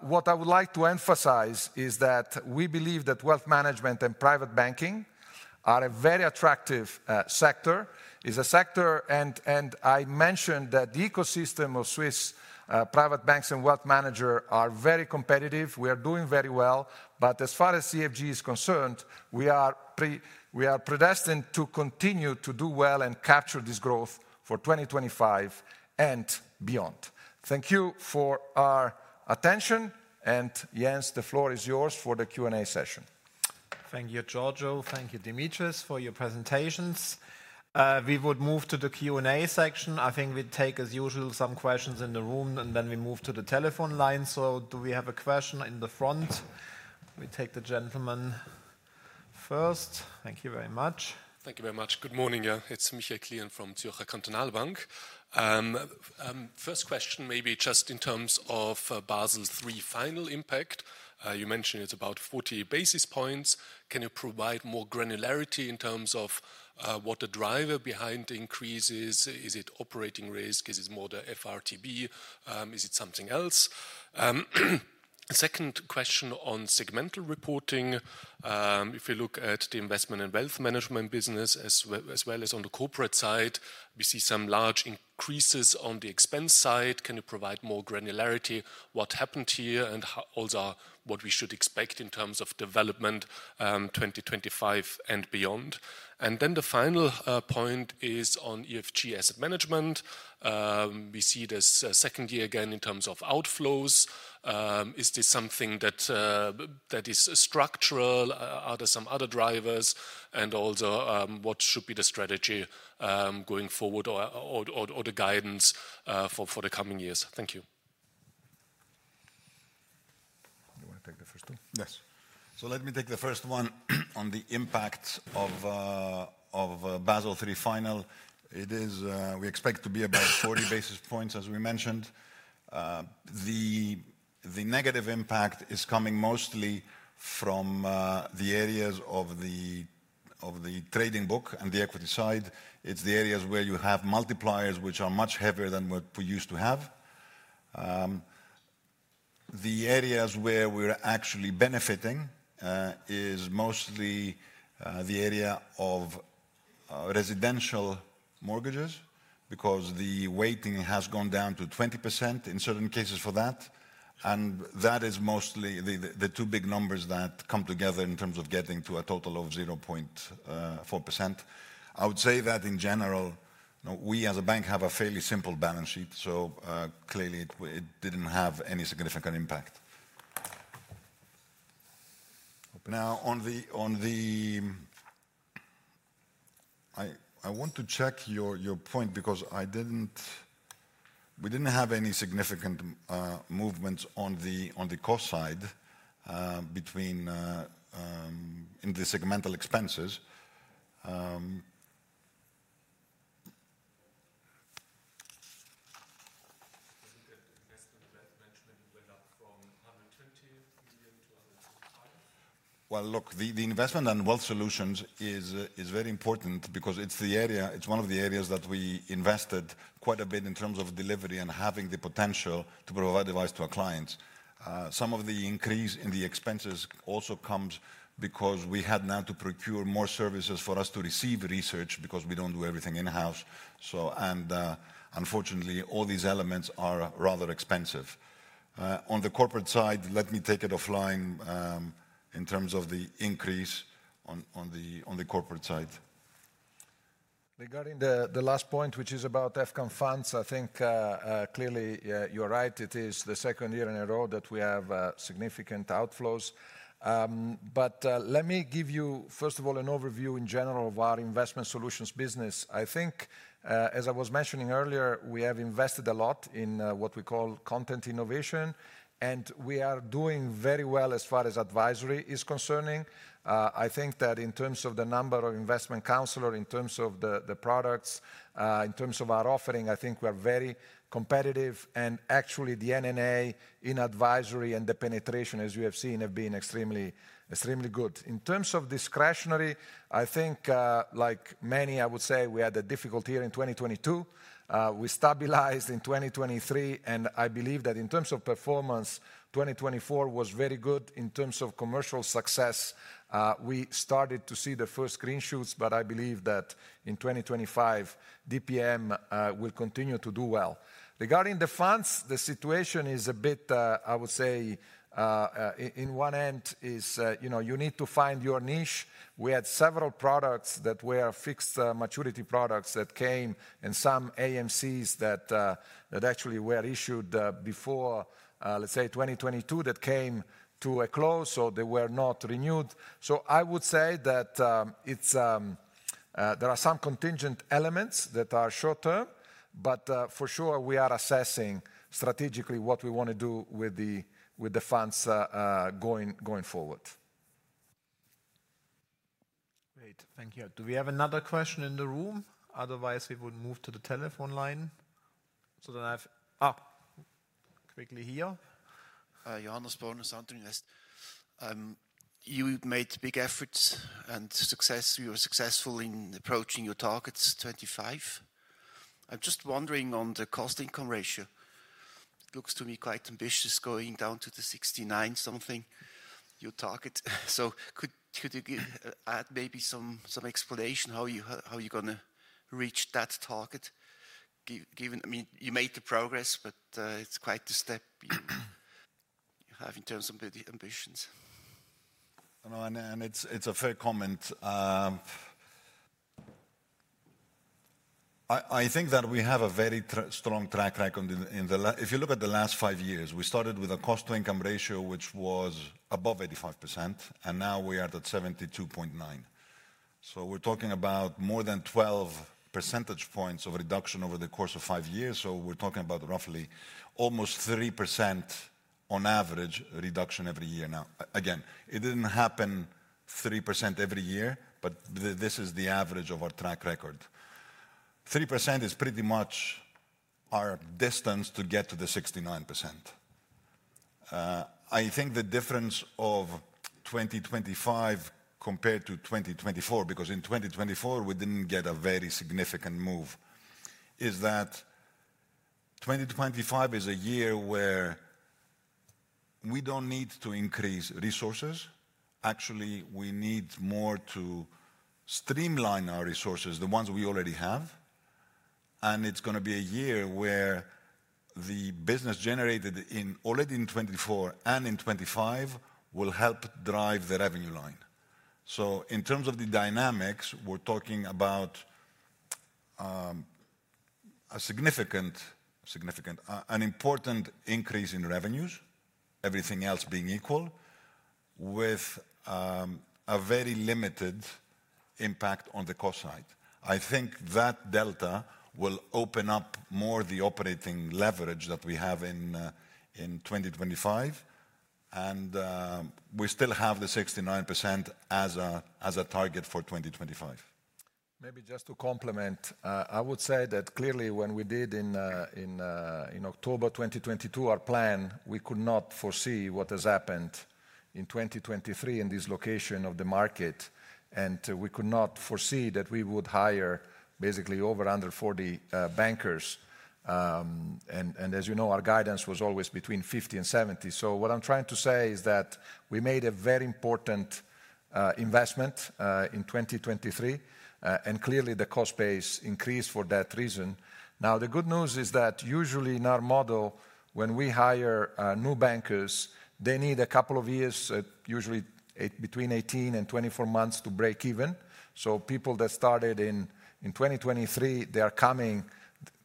what I would like to emphasize is that we believe that wealth management and private banking are a very attractive sector. It is a sector, and I mentioned that the ecosystem of Swiss private banks and wealth managers are very competitive. We are doing very well, but as far as EFG is concerned, we are predestined to continue to do well and capture this growth for 2025 and beyond. Thank you for our attention, and Jens, the floor is yours for the Q&A session. Thank you, Giorgio. Thank you, Dimitris, for your presentations. We would move to the Q&A section. I think we take, as usual, some questions in the room, and then we move to the telephone line. So do we have a question in the front? We take the gentleman first. Thank you very much. Thank you very much. Good morning. It's Michael Klien from Zürcher Kantonalbank. First question, maybe just in terms of Basel III Final impact. You mentioned it's about 40 basis points. Can you provide more granularity in terms of what the driver behind the increase is? Is it operating risk? Is it more the FRTB? Is it something else? Second question on segmental reporting. If you look at the investment and wealth management business, as well as on the corporate side, we see some large increases on the expense side. Can you provide more granularity? What happened here and also what we should expect in terms of development 2025 and beyond? And then the final point is on EFG Asset Management. We see this second year again in terms of outflows. Is this something that is structural? Are there some other drivers? And also, what should be the strategy going forward or the guidance for the coming years? Thank you. Do you want to take the first one? Yes. So let me take the first one on the impact of Basel III Final. We expect to be about 40 basis points, as we mentioned. The negative impact is coming mostly from the areas of the trading book and the equity side. It's the areas where you have multipliers which are much heavier than what we used to have. The areas where we're actually benefiting is mostly the area of residential mortgages because the weighting has gone down to 20% in certain cases for that, and that is mostly the two big numbers that come together in terms of getting to a total of 0.4%. I would say that in general, we as a bank have a fairly simple balance sheet. So clearly, it didn't have any significant impact. Now, on the - I want to check your point because we didn't have any significant movements on the cost side in the segmental expenses. Wasn't the investment wealth management went up from CHF 120 million-CHF 125 million? Look, the investment and wealth solutions is very important because it's one of the areas that we invested quite a bit in terms of delivery and having the potential to provide advice to our clients. Some of the increase in the expenses also comes because we had now to procure more services for us to receive research because we don't do everything in-house. Unfortunately, all these elements are rather expensive. On the corporate side, let me take it offline in terms of the increase on the corporate side. Regarding the last point, which is about EFG Funds, I think clearly you're right. It is the second year in a row that we have significant outflows. Let me give you, first of all, an overview in general of our investment solutions business. I think, as I was mentioning earlier, we have invested a lot in what we call content innovation, and we are doing very well as far as advisory is concerned. I think that in terms of the number of investment counselors, in terms of the products, in terms of our offering, I think we are very competitive. Actually, the NNA in advisory and the penetration, as you have seen, have been extremely good. In terms of discretionary, I think, like many, I would say we had a difficult year in 2022. We stabilized in 2023, and I believe that in terms of performance, 2024 was very good in terms of commercial success. We started to see the first signs, but I believe that in 2025, DPM will continue to do well. Regarding the funds, the situation is a bit, I would say, in one end, you need to find your niche. We had several products that were fixed maturity products that came and some AMCs that actually were issued before, let's say, 2022, that came to a close, or they were not renewed. So I would say that there are some contingent elements that are short-term, but for sure, we are assessing strategically what we want to do with the funds going forward. Great. Thank you. Do we have another question in the room? Otherwise, we would move to the telephone line. So then I have quickly here. Johannes Böhner, Sound Capital. You made big efforts and success. You were successful in approaching your targets, 25%. I'm just wondering on the cost-income ratio. It looks to me quite ambitious going down to the 69%-something, your target. So could you add maybe some explanation how you're going to reach that target? I mean, you made the progress, but it's quite the step you have in terms of ambitions. And it's a fair comment. I think that we have a very strong track record. If you look at the last five years, we started with a cost-to-income ratio which was above 85%, and now we are at 72.9%. So we're talking about more than 12 percentage points of reduction over the course of five years. So we're talking about roughly almost 3% on average reduction every year now. Again, it didn't happen 3% every year, but this is the average of our track record. 3% is pretty much our distance to get to the 69%. I think the difference of 2025 compared to 2024, because in 2024, we didn't get a very significant move, is that 2025 is a year where we don't need to increase resources. Actually, we need more to streamline our resources, the ones we already have. And it's going to be a year where the business generated already in 2024 and in 2025 will help drive the revenue line. So in terms of the dynamics, we're talking about a significant, significant, an important increase in revenues, everything else being equal, with a very limited impact on the cost side. I think that delta will open up more the operating leverage that we have in 2025. And we still have the 69% as a target for 2025. Maybe just to complement, I would say that clearly when we did in October 2022 our plan, we could not foresee what has happened in 2023 in this location of the market. And we could not foresee that we would hire basically over 140 bankers. And as you know, our guidance was always between 50 and 70. So what I'm trying to say is that we made a very important investment in 2023, and clearly the cost base increased for that reason. Now, the good news is that usually in our model, when we hire new bankers, they need a couple of years, usually between 18 and 24 months to break even. So people that started in 2023, they are coming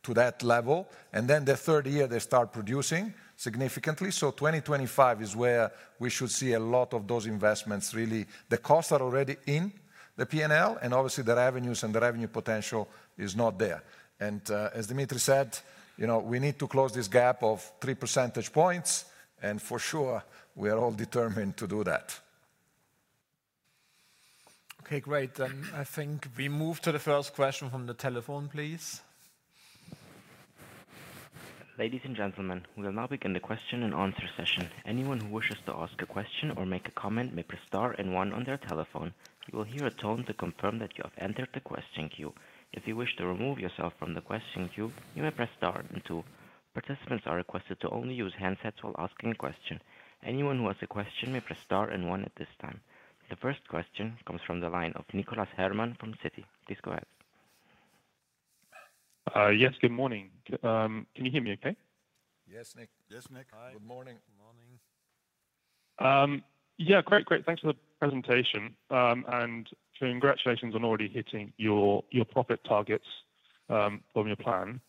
to that level. And then the third year, they start producing significantly. So 2025 is where we should see a lot of those investments, really. The costs are already in the P&L, and obviously the revenues and the revenue potential is not there. And as Dimitris said, we need to close this gap of 3 percentage points. And for sure, we are all determined to do that. Okay, great. I think we move to the first question from the telephone, please. Ladies and gentlemen, we will now begin the question-and-answer session. Anyone who wishes to ask a question or make a comment may press star and one on their telephone. You will hear a tone to confirm that you have entered the question queue. If you wish to remove yourself from the question queue, you may press star and two. Participants are requested to only use handsets while asking a question. Anyone who has a question may press star and one at this time. The first question comes from the line of Nicholas Herman from Citi. Please go ahead. Yes, good morning. Can you hear me okay? Yes, Nick. Yes, Nick. Good morning. Good morning. Yeah, great, great. Thanks for the presentation. And congratulations on already hitting your profit targets from your plan.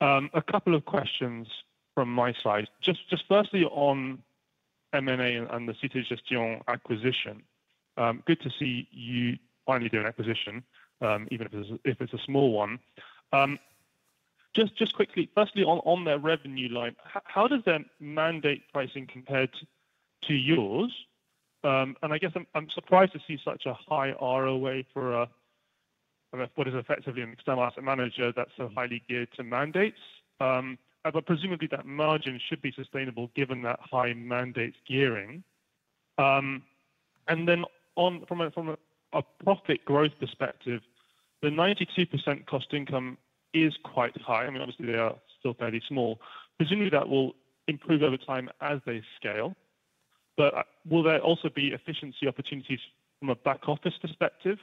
A couple of questions from my side. Just firstly on M&A and the Cité Gestion acquisition. Good to see you finally do an acquisition, even if it's a small one. Just quickly, firstly on their revenue line, how does their mandate pricing compare to yours? And I guess I'm surprised to see such a high ROA for what is effectively an external asset manager that's so highly geared to mandates. But presumably that margin should be sustainable given that high mandate gearing. And then from a profit growth perspective, the 92% cost-income is quite high. I mean, obviously they are still fairly small. Presumably that will improve over time as they scale. But will there also be efficiency opportunities from a back office perspective?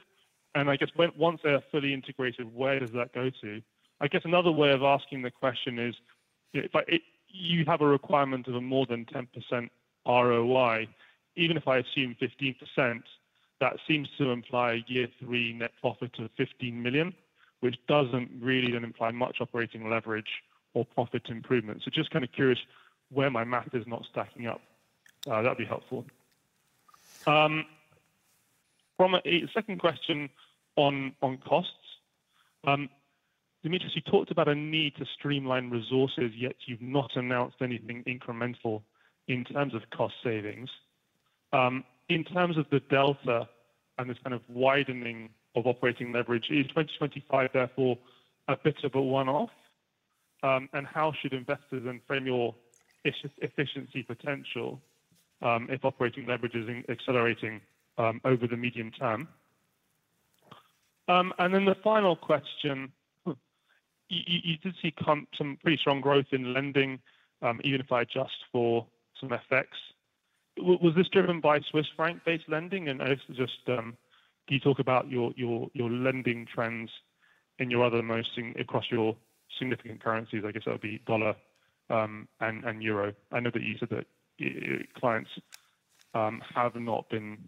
And I guess once they are fully integrated, where does that go to? I guess another way of asking the question is, if you have a requirement of a more than 10% ROI, even if I assume 15%, that seems to imply year three net profit of 15 million, which doesn't really then imply much operating leverage or profit improvement. So just kind of curious where my math is not stacking up. That'd be helpful. Second question on costs. Dimitris, you talked about a need to streamline resources, yet you've not announced anything incremental in terms of cost savings. In terms of the delta and this kind of widening of operating leverage, is 2025 therefore a bit of a one-off? And how should investors then frame your efficiency potential if operating leverage is accelerating over the medium term? And then the final question, you did see some pretty strong growth in lending, even if I adjust for some effects. Was this driven by Swiss franc-based lending? And I guess just can you talk about your lending trends in your other markets across your significant currencies? I guess that would be dollar and euro. I know that you said that clients have not been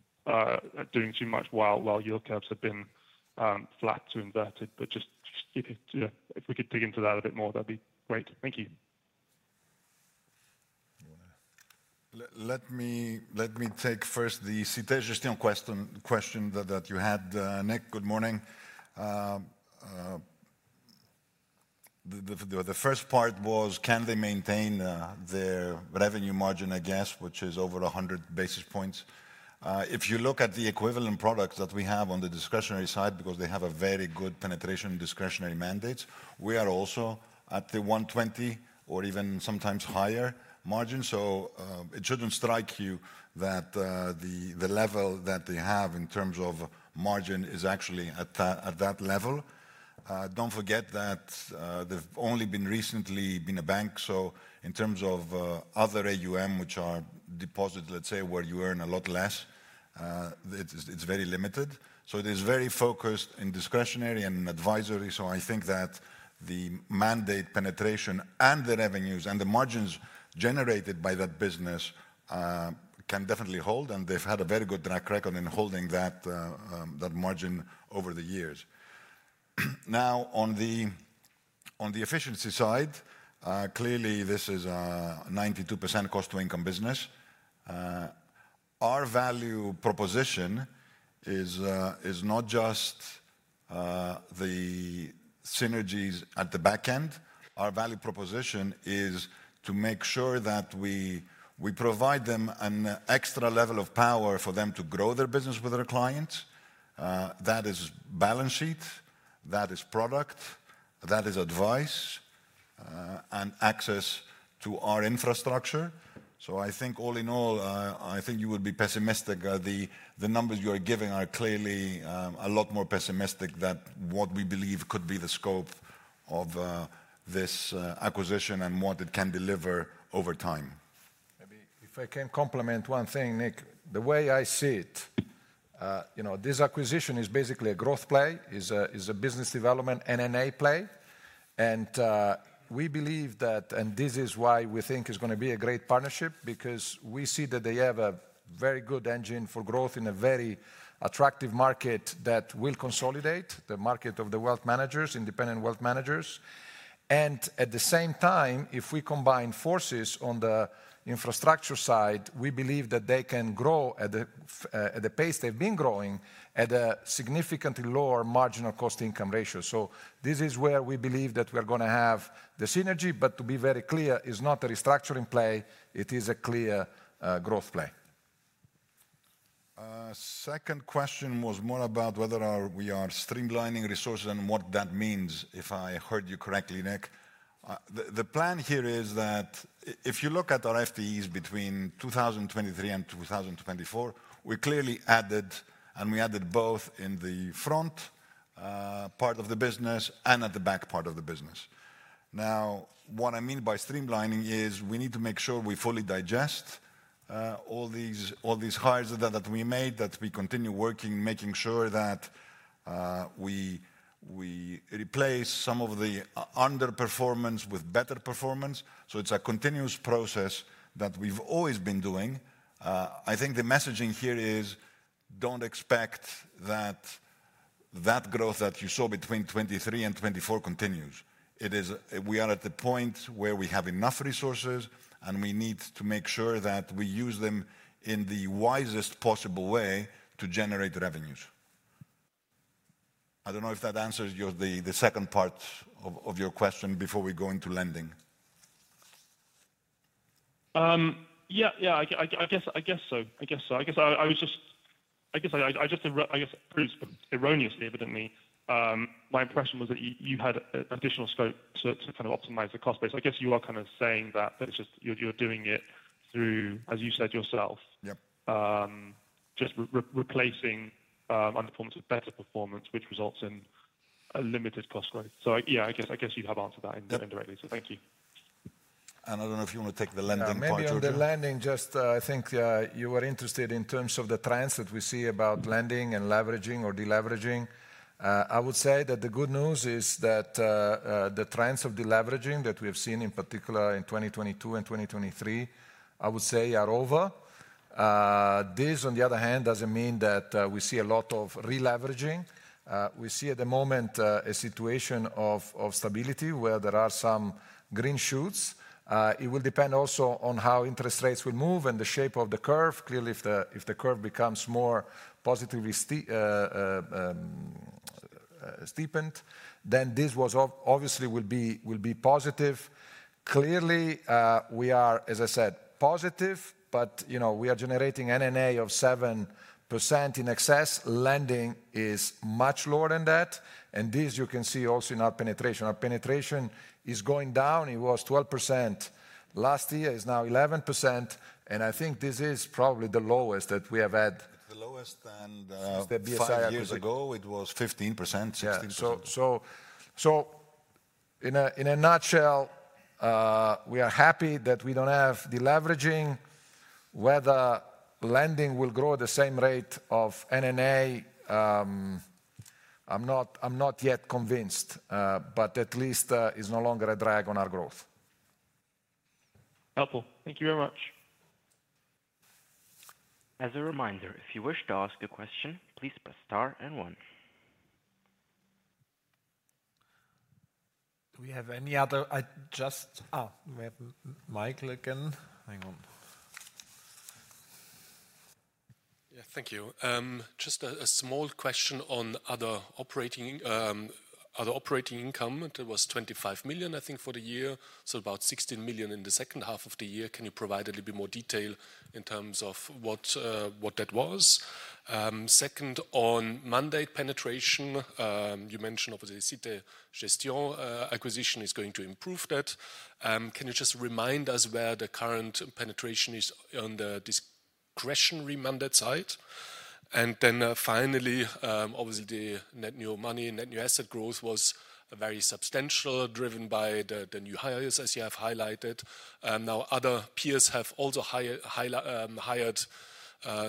doing too much while your curves have been flat to inverted. But just if we could dig into that a bit more, that'd be great. Thank you. Let me take first the Cité Gestion question that you had, Nick. Good morning. The first part was, can they maintain their revenue margin, I guess, which is over 100 basis points? If you look at the equivalent products that we have on the discretionary side, because they have a very good penetration discretionary mandates, we are also at the 120 or even sometimes higher margin. So it shouldn't strike you that the level that they have in terms of margin is actually at that level. Don't forget that they've only recently been a bank. So in terms of other AUM, which are deposits, let's say, where you earn a lot less, it's very limited. So it is very focused in discretionary and in advisory. So I think that the mandate penetration and the revenues and the margins generated by that business can definitely hold. And they've had a very good track record in holding that margin over the years. Now, on the efficiency side, clearly this is a 92% cost-to-income business. Our value proposition is not just the synergies at the back end. Our value proposition is to make sure that we provide them an extra level of power for them to grow their business with their clients. That is balance sheet. That is product. That is advice and access to our infrastructure. So I think all in all, I think you would be pessimistic. The numbers you are giving are clearly a lot more pessimistic than what we believe could be the scope of this acquisition and what it can deliver over time. Maybe if I can complement one thing, Nick, the way I see it, this acquisition is basically a growth play, is a business development NNA play. We believe that, and this is why we think it's going to be a great partnership, because we see that they have a very good engine for growth in a very attractive market that will consolidate the market of the wealth managers, independent wealth managers. At the same time, if we combine forces on the infrastructure side, we believe that they can grow at the pace they've been growing at a significantly lower marginal cost-income ratio. This is where we believe that we are going to have the synergy, but to be very clear, it's not a restructuring play. It is a clear growth play. Second question was more about whether we are streamlining resources and what that means, if I heard you correctly, Nick. The plan here is that if you look at our FTEs between 2023 and 2024, we clearly added, and we added both in the front part of the business and at the back part of the business. Now, what I mean by streamlining is we need to make sure we fully digest all these hires that we made, that we continue working, making sure that we replace some of the underperformance with better performance. So it's a continuous process that we've always been doing. I think the messaging here is don't expect that growth that you saw between 2023 and 2024 continues. We are at the point where we have enough resources, and we need to make sure that we use them in the wisest possible way to generate revenues. I don't know if that answers the second part of your question before we go into lending. Yeah, yeah, I guess so. I guess so. I guess I was just, I guess I just erroneously, evidently, my impression was that you had additional scope to kind of optimize the cost base. I guess you are kind of saying that you're doing it through, as you said yourself, just replacing underperformance with better performance, which results in a limited cost growth. So yeah, I guess you have answered that indirectly. So thank you. And I don't know if you want to take the lending part. The lending, just I think you were interested in terms of the trends that we see about lending and leveraging or deleveraging. I would say that the good news is that the trends of deleveraging that we have seen in particular in 2022 and 2023, I would say are over. This, on the other hand, doesn't mean that we see a lot of releveraging. We see at the moment a situation of stability where there are some green shoots. It will depend also on how interest rates will move and the shape of the curve. Clearly, if the curve becomes more positively steepened, then this obviously will be positive. Clearly, we are, as I said, positive, but we are generating NNA of 7% in excess. Lending is much lower than that. And this, you can see also in our penetration. Our penetration is going down. It was 12% last year. It's now 11%. And I think this is probably the lowest that we have had. The lowest than a few years ago, it was 15%, 16%. So in a nutshell, we are happy that we don't have deleveraging. Whether lending will grow at the same rate of NNA, I'm not yet convinced, but at least it's no longer a drag on our growth. Helpful. Thank you very much. As a reminder, if you wish to ask a question, please press star and one. Do we have any other? Oh, we have Mike again. Hang on. Yeah, thank you. Just a small question on other operating income. It was 25 million, I think, for the year. So about 16 million in the second half of the year. Can you provide a little bit more detail in terms of what that was? Second, on mandate penetration, you mentioned obviously Cité Gestion acquisition is going to improve that. Can you just remind us where the current penetration is on the discretionary mandate side? And then finally, obviously the net new money, net new asset growth was very substantial, driven by the new hires, as you have highlighted. Now, other peers have also hired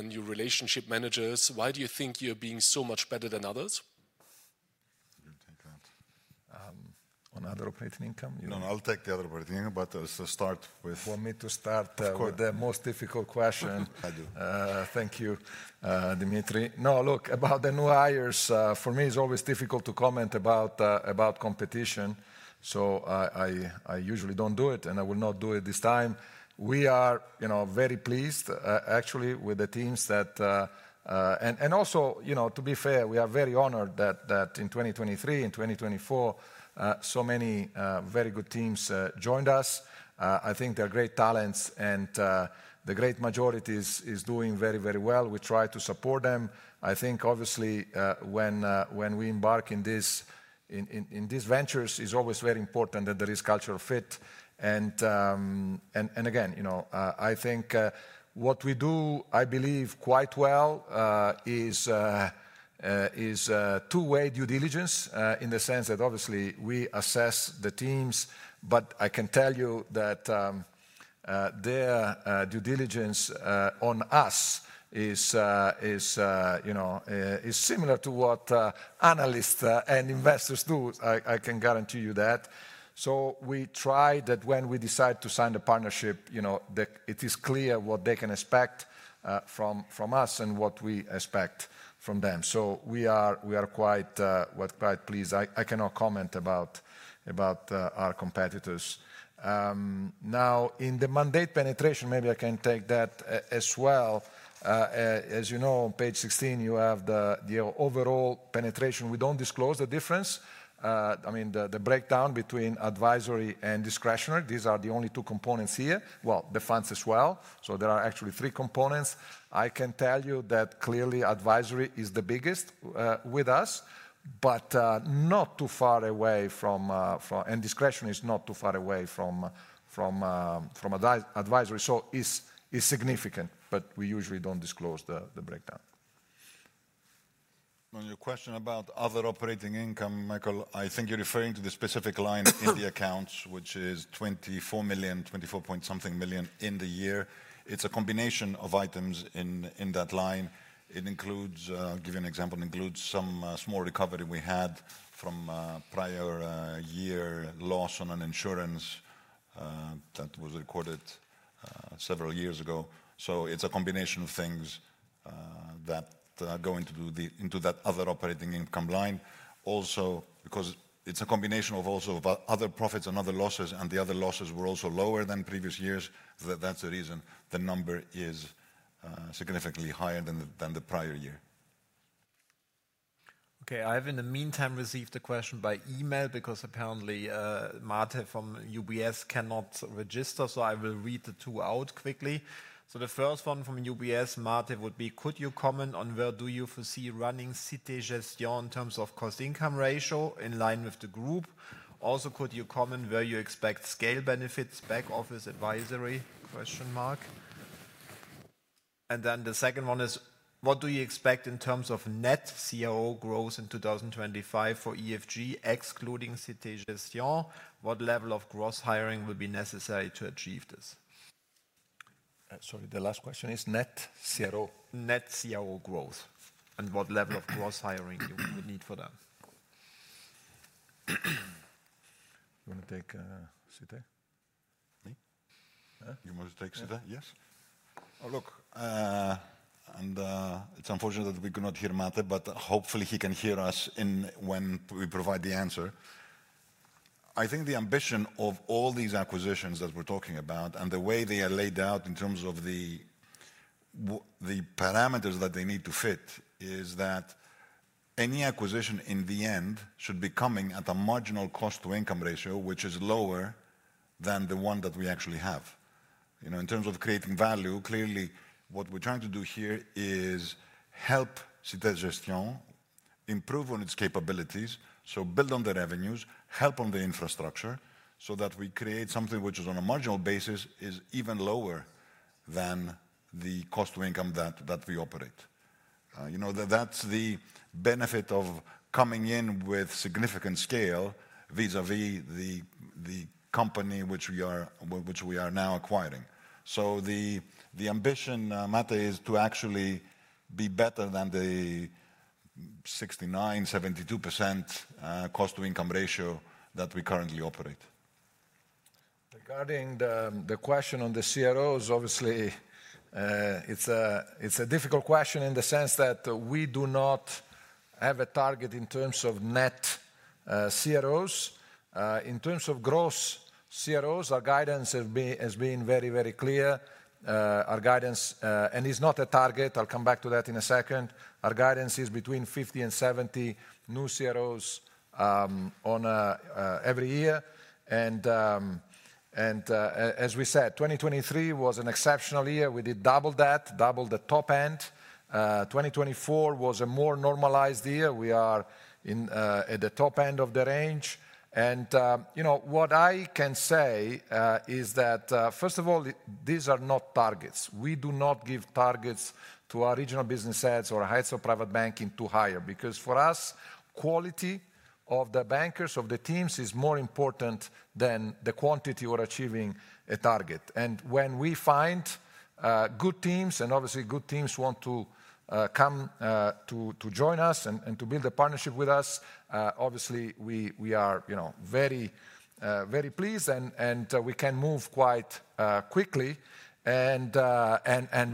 new relationship managers. Why do you think you're being so much better than others? You take that. On other operating income? No, I'll take the other operating income, but to start with. Want me to start with the most difficult question? I do. Thank you, Dimitris. No, look, about the new hires, for me, it's always difficult to comment about competition. So I usually don't do it, and I will not do it this time. We are very pleased, actually, with the teams that and also, to be fair, we are very honored that in 2023 and 2024, so many very good teams joined us. I think they're great talents, and the great majority is doing very, very well. We try to support them. I think, obviously, when we embark in these ventures, it's always very important that there is cultural fit. And again, I think what we do, I believe, quite well is two-way due diligence in the sense that, obviously, we assess the teams, but I can tell you that their due diligence on us is similar to what analysts and investors do. I can guarantee you that. So we try that when we decide to sign a partnership, it is clear what they can expect from us and what we expect from them. So we are quite pleased. I cannot comment about our competitors. Now, in the mandate penetration, maybe I can take that as well. As you know, on page 16, you have the overall penetration. We don't disclose the difference. I mean, the breakdown between advisory and discretionary. These are the only two components here. Well, the funds as well. So there are actually three components. I can tell you that clearly advisory is the biggest with us, but not too far away from, and discretion is not too far away from advisory. So it's significant, but we usually don't disclose the breakdown. On your question about other operating income, Michael, I think you're referring to the specific line in the accounts, which is 24 million, 24 point something million in the year. It's a combination of items in that line. I'll give you an example. It includes some small recovery we had from prior year loss on an insurance that was recorded several years ago. So it's a combination of things that go into that other operating income line. Also, because it's a combination of also other profits and other losses, and the other losses were also lower than previous years, that's the reason the number is significantly higher than the prior year. Okay, I have in the meantime received a question by email because apparently Martin from UBS cannot register. So I will read the two out quickly. So the first one from UBS, Martin, would be, could you comment on where do you foresee running Cité Gestion in terms of cost-to-income ratio in line with the group? Also, could you comment where you expect scale benefits, back office, advisory? And then the second one is, what do you expect in terms of net CRO growth in 2025 for EFG, excluding Cité Gestion? What level of gross hiring will be necessary to achieve this? Sorry, the last question is net CRO? Net CRO growth and what level of gross hiring you would need for that? You want to take Cité? You want to take Cité? Yes. Look, and it's unfortunate that we could not hear Martin, but hopefully he can hear us when we provide the answer. I think the ambition of all these acquisitions that we're talking about and the way they are laid out in terms of the parameters that they need to fit is that any acquisition in the end should be coming at a marginal cost-to-income ratio, which is lower than the one that we actually have. In terms of creating value, clearly, what we're trying to do here is help Cité Gestion improve on its capabilities, so build on the revenues, help on the infrastructure so that we create something which, on a marginal basis, is even lower than the cost-to-income that we operate. That's the benefit of coming in with significant scale vis-à-vis the company which we are now acquiring. So the ambition, Martin, is to actually be better than the 69%-72% cost-to-income ratio that we currently operate. Regarding the question on the CROs, obviously, it's a difficult question in the sense that we do not have a target in terms of net CROs. In terms of gross CROs, our guidance has been very, very clear. And it's not a target. I'll come back to that in a second. Our guidance is between 50 and 70 new CROs every year. And as we said, 2023 was an exceptional year. We did double that, double the top end. 2024 was a more normalized year. We are at the top end of the range. And what I can say is that, first of all, these are not targets. We do not give targets to our regional business heads or heads of private banking to hire because for us, quality of the bankers, of the teams, is more important than the quantity. We're achieving a target. And when we find good teams, and obviously good teams want to come to join us and to build a partnership with us, obviously we are very pleased and we can move quite quickly. And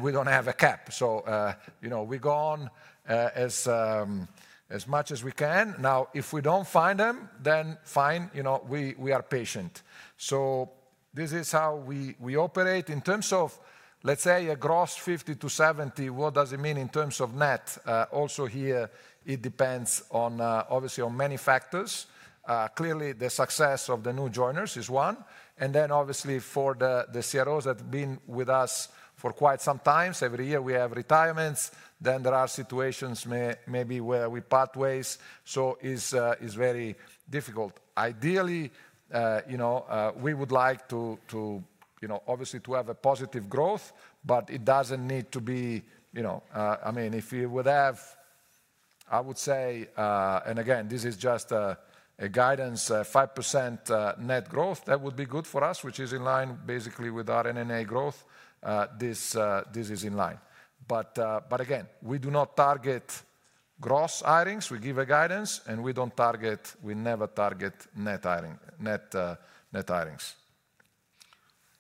we don't have a cap. So we go on as much as we can. Now, if we don't find them, then fine, we are patient. So this is how we operate. In terms of, let's say, a gross 50-70, what does it mean in terms of net? Also here, it depends obviously on many factors. Clearly, the success of the new joiners is one. And then, obviously, for the CROs that have been with us for quite some time, every year we have retirements, then there are situations maybe where we part ways. So it's very difficult. Ideally, we would like to obviously have a positive growth, but it doesn't need to be. I mean, if you would have, I would say, and again, this is just a guidance, 5% net growth, that would be good for us, which is in line basically with our NNA growth. This is in line. But again, we do not target gross hirings. We give a guidance, and we don't target, we never target net hirings.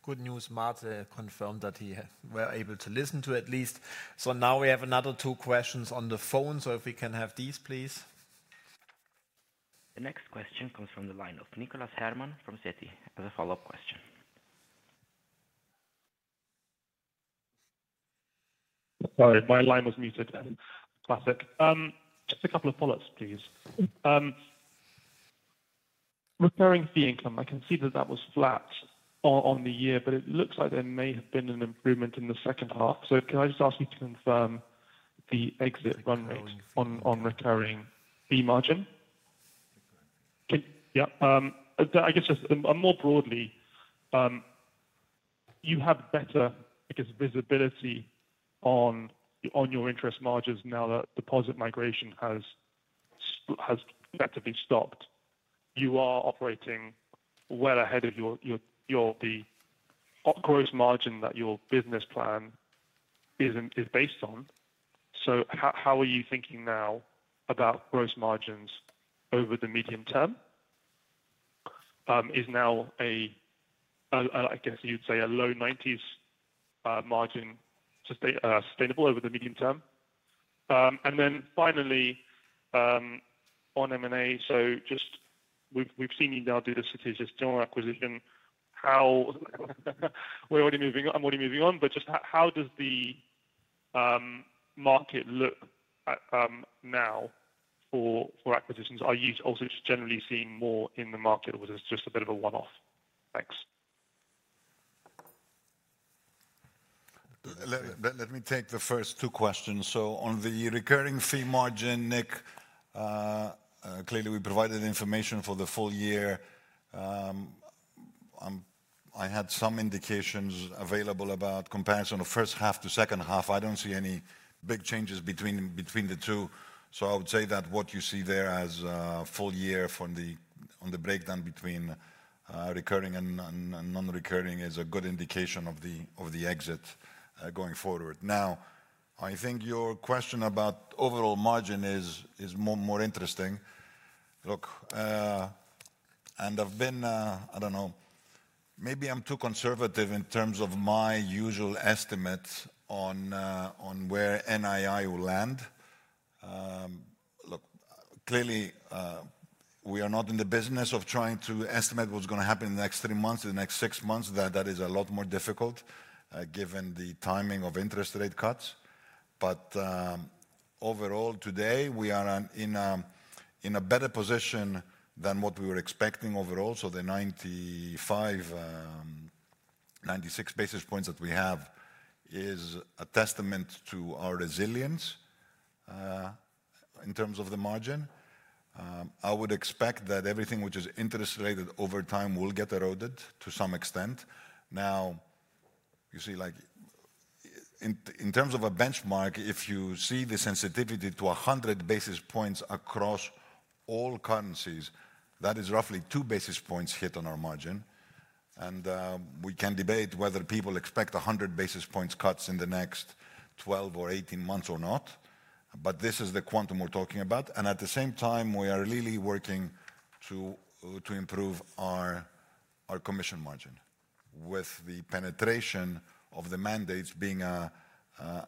Good news, Martin confirmed that he were able to listen to at least. So now we have another two questions on the phone. So if we can have these, please. The next question comes from the line of Nicholas Herman from Citi as a follow-up question. Sorry, my line was muted. Classic. Just a couple of follow-ups, please. Recurring fee income, I can see that that was flat on the year, but it looks like there may have been an improvement in the second half. So can I just ask you to confirm the exit run rate on recurring fee margin? Yeah. I guess just more broadly, you have better, I guess, visibility on your interest margins now that deposit migration has effectively stopped. You are operating well ahead of the gross margin that your business plan is based on. So how are you thinking now about gross margins over the medium term? Is now, I guess you'd say, a low 90s margin sustainable over the medium term? Then finally, on M&A, so just we've seen you now do the Cité Gestion acquisition. We're already moving on. I'm already moving on, but just how does the market look now for acquisitions? Are you also generally seeing more in the market or is it just a bit of a one-off? Thanks. Let me take the first two questions. On the recurring fee margin, Nick, clearly we provided information for the full year. I had some indications available about comparison of first half to second half. I don't see any big changes between the two. I would say that what you see there as full year on the breakdown between recurring and non-recurring is a good indication of the exit going forward. Now, I think your question about overall margin is more interesting. Look, and I've been, I don't know, maybe I'm too conservative in terms of my usual estimates on where NII will land. Look, clearly, we are not in the business of trying to estimate what's going to happen in the next three months, the next six months. That is a lot more difficult given the timing of interest rate cuts. But overall, today, we are in a better position than what we were expecting overall. So the 95, 96 basis points that we have is a testament to our resilience in terms of the margin. I would expect that everything which is interest-related over time will get eroded to some extent. Now, you see, in terms of a benchmark, if you see the sensitivity to 100 basis points across all currencies, that is roughly two basis points hit on our margin. We can debate whether people expect 100 basis points cuts in the next 12 or 18 months or not, but this is the quantum we're talking about. At the same time, we are really working to improve our commission margin with the penetration of the mandates being a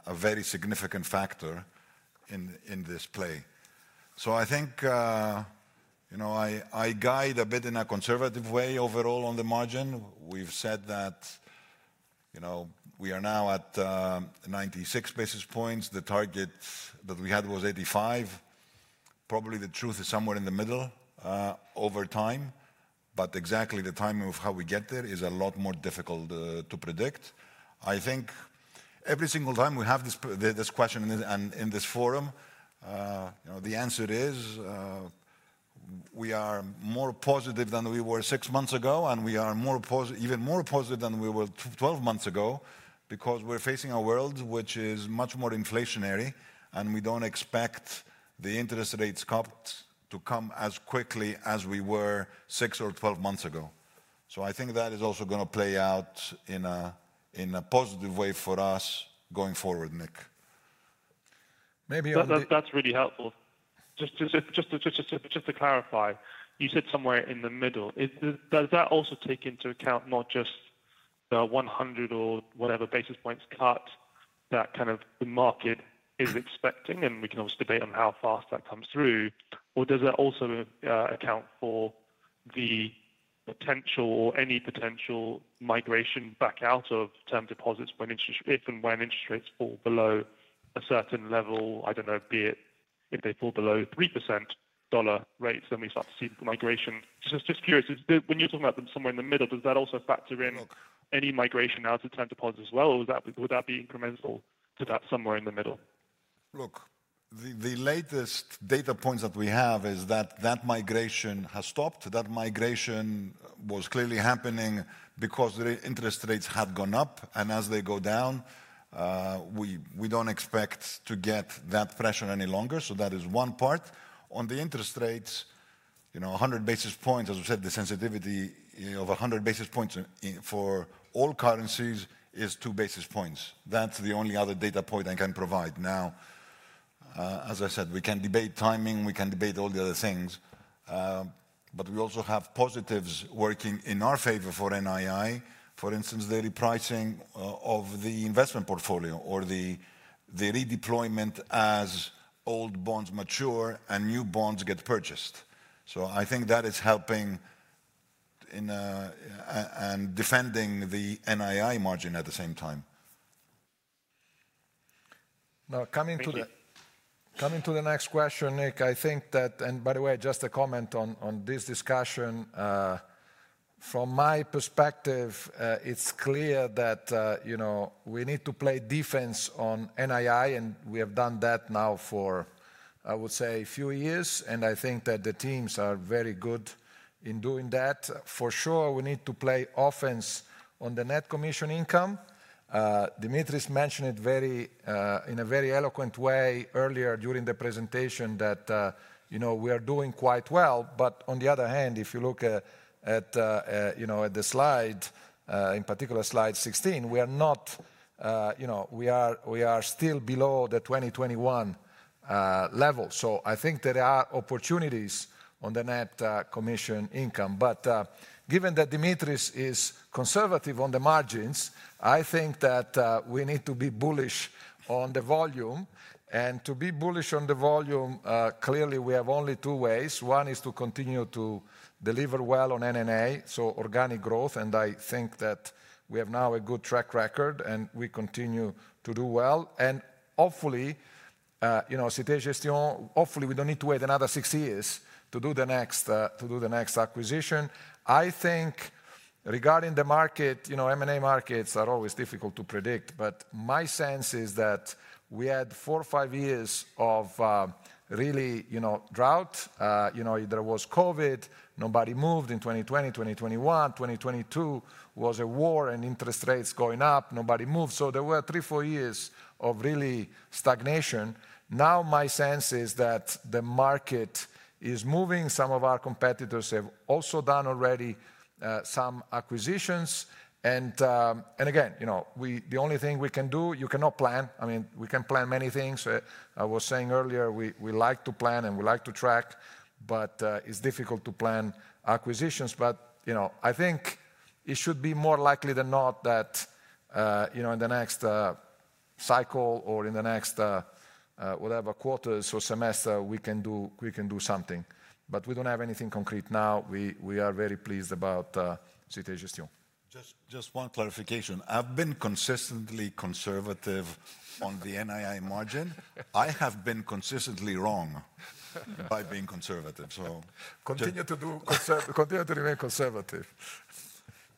very significant factor in this play. I think I guide a bit in a conservative way overall on the margin. We've said that we are now at 96 basis points. The target that we had was 85. Probably the truth is somewhere in the middle over time, but exactly the timing of how we get there is a lot more difficult to predict. I think every single time we have this question in this forum, the answer is we are more positive than we were six months ago, and we are even more positive than we were 12 months ago because we're facing a world which is much more inflationary, and we don't expect the interest rates cut to come as quickly as we were six or 12 months ago. So I think that is also going to play out in a positive way for us going forward, Nick. Maybe that's really helpful. Just to clarify, you said somewhere in the middle. Does that also take into account not just the 100 or whatever basis points cut that kind of the market is expecting, and we can obviously debate on how fast that comes through, or does that also account for the potential or any potential migration back out of term deposits if and when interest rates fall below a certain level? I don't know, be it if they fall below 3% dollar rates, then we start to see migration. Just curious, when you're talking about them somewhere in the middle, does that also factor in any migration out of term deposits as well, or would that be incremental to that somewhere in the middle? Look, the latest data points that we have is that that migration has stopped. That migration was clearly happening because the interest rates had gone up, and as they go down, we don't expect to get that pressure any longer. So that is one part. On the interest rates, 100 basis points, as we said, the sensitivity of 100 basis points for all currencies is two basis points. That's the only other data point I can provide. Now, as I said, we can debate timing, we can debate all the other things, but we also have positives working in our favor for NII, for instance, daily pricing of the investment portfolio or the redeployment as old bonds mature and new bonds get purchased. So I think that is helping and defending the NII margin at the same time. Now, coming to the next question, Nick, I think that, and by the way, just a comment on this discussion, from my perspective, it's clear that we need to play defense on NII, and we have done that now for, I would say, a few years, and I think that the teams are very good in doing that. For sure, we need to play offense on the net commission income. Dimitris mentioned it in a very eloquent way earlier during the presentation that we are doing quite well, but on the other hand, if you look at the slide, in particular slide 16, we are not, we are still below the 2021 level. So I think there are opportunities on the net commission income. But given that Dimitris is conservative on the margins, I think that we need to be bullish on the volume. To be bullish on the volume, clearly, we have only two ways. One is to continue to deliver well on NNA, so organic growth, and I think that we have now a good track record and we continue to do well. Hopefully, Cité Gestion, hopefully we don't need to wait another six years to do the next acquisition. I think regarding the market, M&A markets are always difficult to predict, but my sense is that we had four or five years of really drought. There was COVID, nobody moved in 2020, 2021. 2022 was a war and interest rates going up, nobody moved. There were three, four years of really stagnation. Now my sense is that the market is moving. Some of our competitors have also done already some acquisitions. Again, the only thing we can do, you cannot plan. I mean, we can plan many things. I was saying earlier, we like to plan and we like to track, but it's difficult to plan acquisitions. But I think it should be more likely than not that in the next cycle or in the next whatever quarters or semester, we can do something. But we don't have anything concrete now. We are very pleased about Cité Gestion. Just one clarification. I've been consistently conservative on the NII margin. I have been consistently wrong by being conservative. So continue to remain conservative.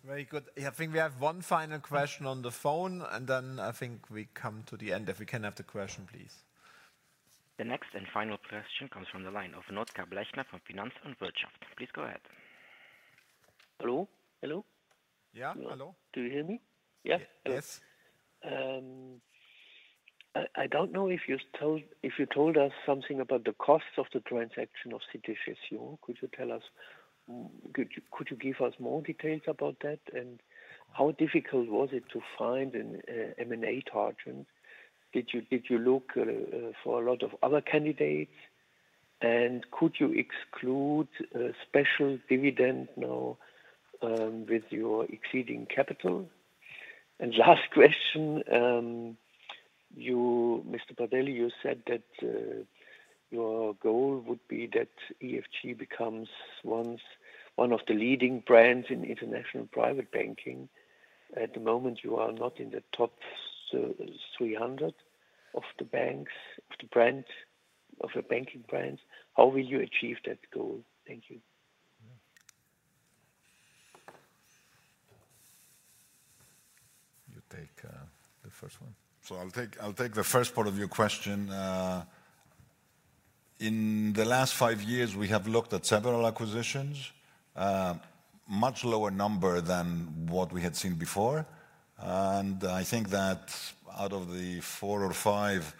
Very good. I think we have one final question on the phone, and then I think we come to the end. If we can have the question, please. The next and final question comes from the line of Notker Blechner from Finanz und Wirtschaft. Please go ahead. Hello. Hello? Yeah. Hello. Do you hear me? Yes. Yes. I don't know if you told us something about the cost of the transaction of Cité Gestion. Could you tell us, could you give us more details about that and how difficult was it to find an M&A target? Did you look for a lot of other candidates? And could you exclude a special dividend now with your excess capital? And last question, Mr. Pradelli, you said that your goal would be that EFG becomes one of the leading brands in international private banking. At the moment, you are not in the Top 300 of the Brand Finance Banking brand. How will you achieve that goal? Thank you. You take the first one. So I'll take the first part of your question. In the last five years, we have looked at several acquisitions, much lower number than what we had seen before. I think that out of the four or five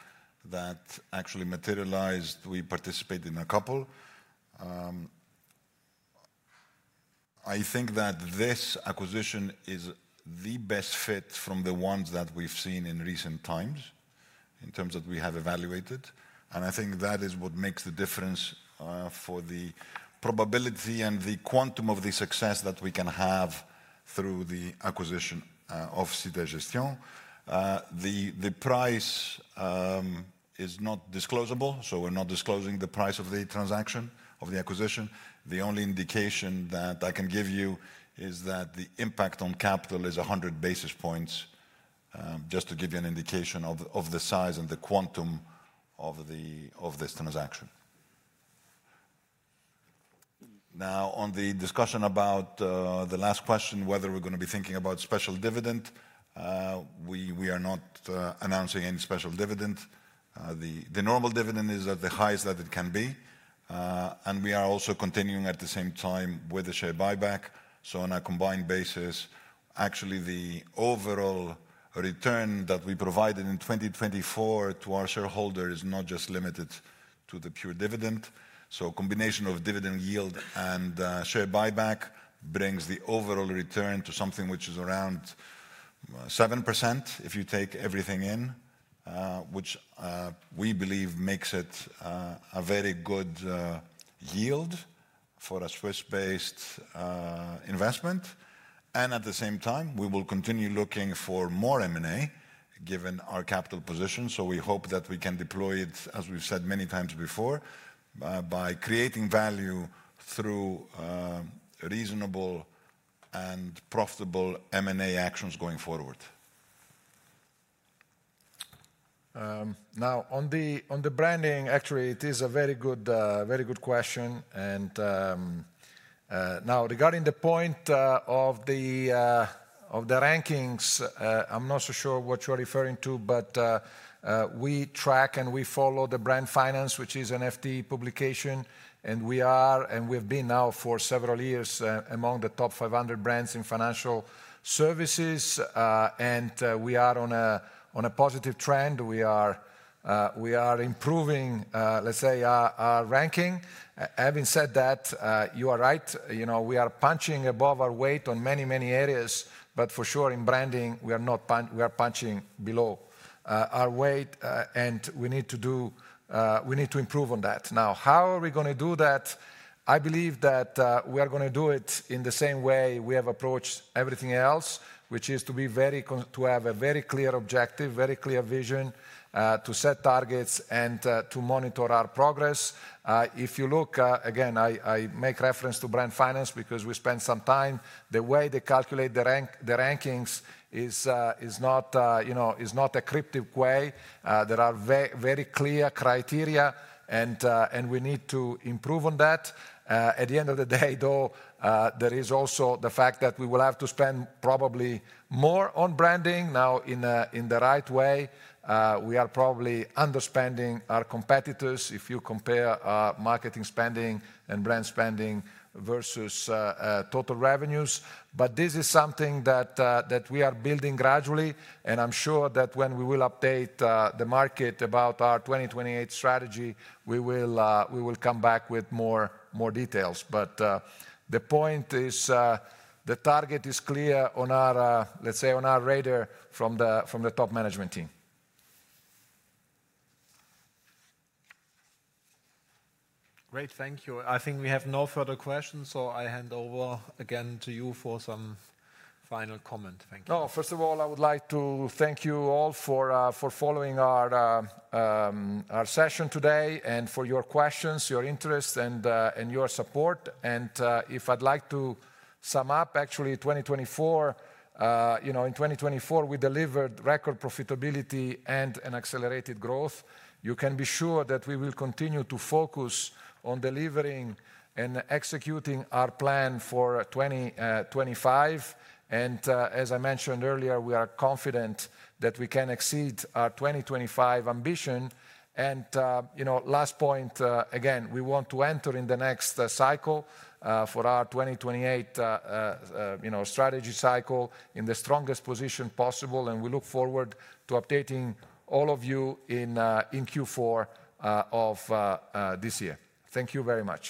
that actually materialized, we participated in a couple. I think that this acquisition is the best fit from the ones that we've seen in recent times in terms of what we have evaluated. I think that is what makes the difference for the probability and the quantum of the success that we can have through the acquisition of Cité Gestion. The price is not disclosable, so we're not disclosing the price of the transaction of the acquisition. The only indication that I can give you is that the impact on capital is 100 basis points, just to give you an indication of the size and the quantum of this transaction. Now, on the discussion about the last question, whether we're going to be thinking about special dividend, we are not announcing any special dividend. The normal dividend is at the highest that it can be, and we are also continuing at the same time with the share buyback. On a combined basis, actually, the overall return that we provided in 2024 to our shareholders is not just limited to the pure dividend. A combination of dividend yield and share buyback brings the overall return to something which is around 7% if you take everything in, which we believe makes it a very good yield for a Swiss-based investment, and at the same time, we will continue looking for more M&A given our capital position. We hope that we can deploy it, as we've said many times before, by creating value through reasonable and profitable M&A actions going forward. Now, on the branding, actually, it is a very good question. Now, regarding the point of the rankings, I'm not so sure what you're referring to, but we track and we follow the Brand Finance, which is an FTE publication. We are and we've been now for several years among the top 500 brands in financial services, and we are on a positive trend. We are improving, let's say, our ranking. Having said that, you are right. We are punching above our weight on many, many areas, but for sure, in branding, we are punching below our weight, and we need to improve on that. Now, how are we going to do that? I believe that we are going to do it in the same way we have approached everything else, which is to have a very clear objective, very clear vision, to set targets, and to monitor our progress. If you look, again, I make reference to Brand Finance because we spent some time. The way they calculate the rankings is not a cryptic way. There are very clear criteria, and we need to improve on that. At the end of the day, though, there is also the fact that we will have to spend probably more on branding now in the right way. We are probably underspending our competitors if you compare marketing spending and brand spending vs total revenues. But this is something that we are building gradually, and I'm sure that when we will update the market about our 2028 strategy, we will come back with more details. But the point is the target is clear on our, let's say, on our radar from the top management team. Great. Thank you. I think we have no further questions, so I hand over again to you for some final comment. Thank you. No, first of all, I would like to thank you all for following our session today and for your questions, your interest, and your support. And if I'd like to sum up, actually, in 2024, we delivered record profitability and an accelerated growth. You can be sure that we will continue to focus on delivering and executing our plan for 2025. And as I mentioned earlier, we are confident that we can exceed our 2025 ambition. And last point, again, we want to enter in the next cycle for our 2028 strategy cycle in the strongest position possible, and we look forward to updating all of you in Q4 of this year. Thank you very much.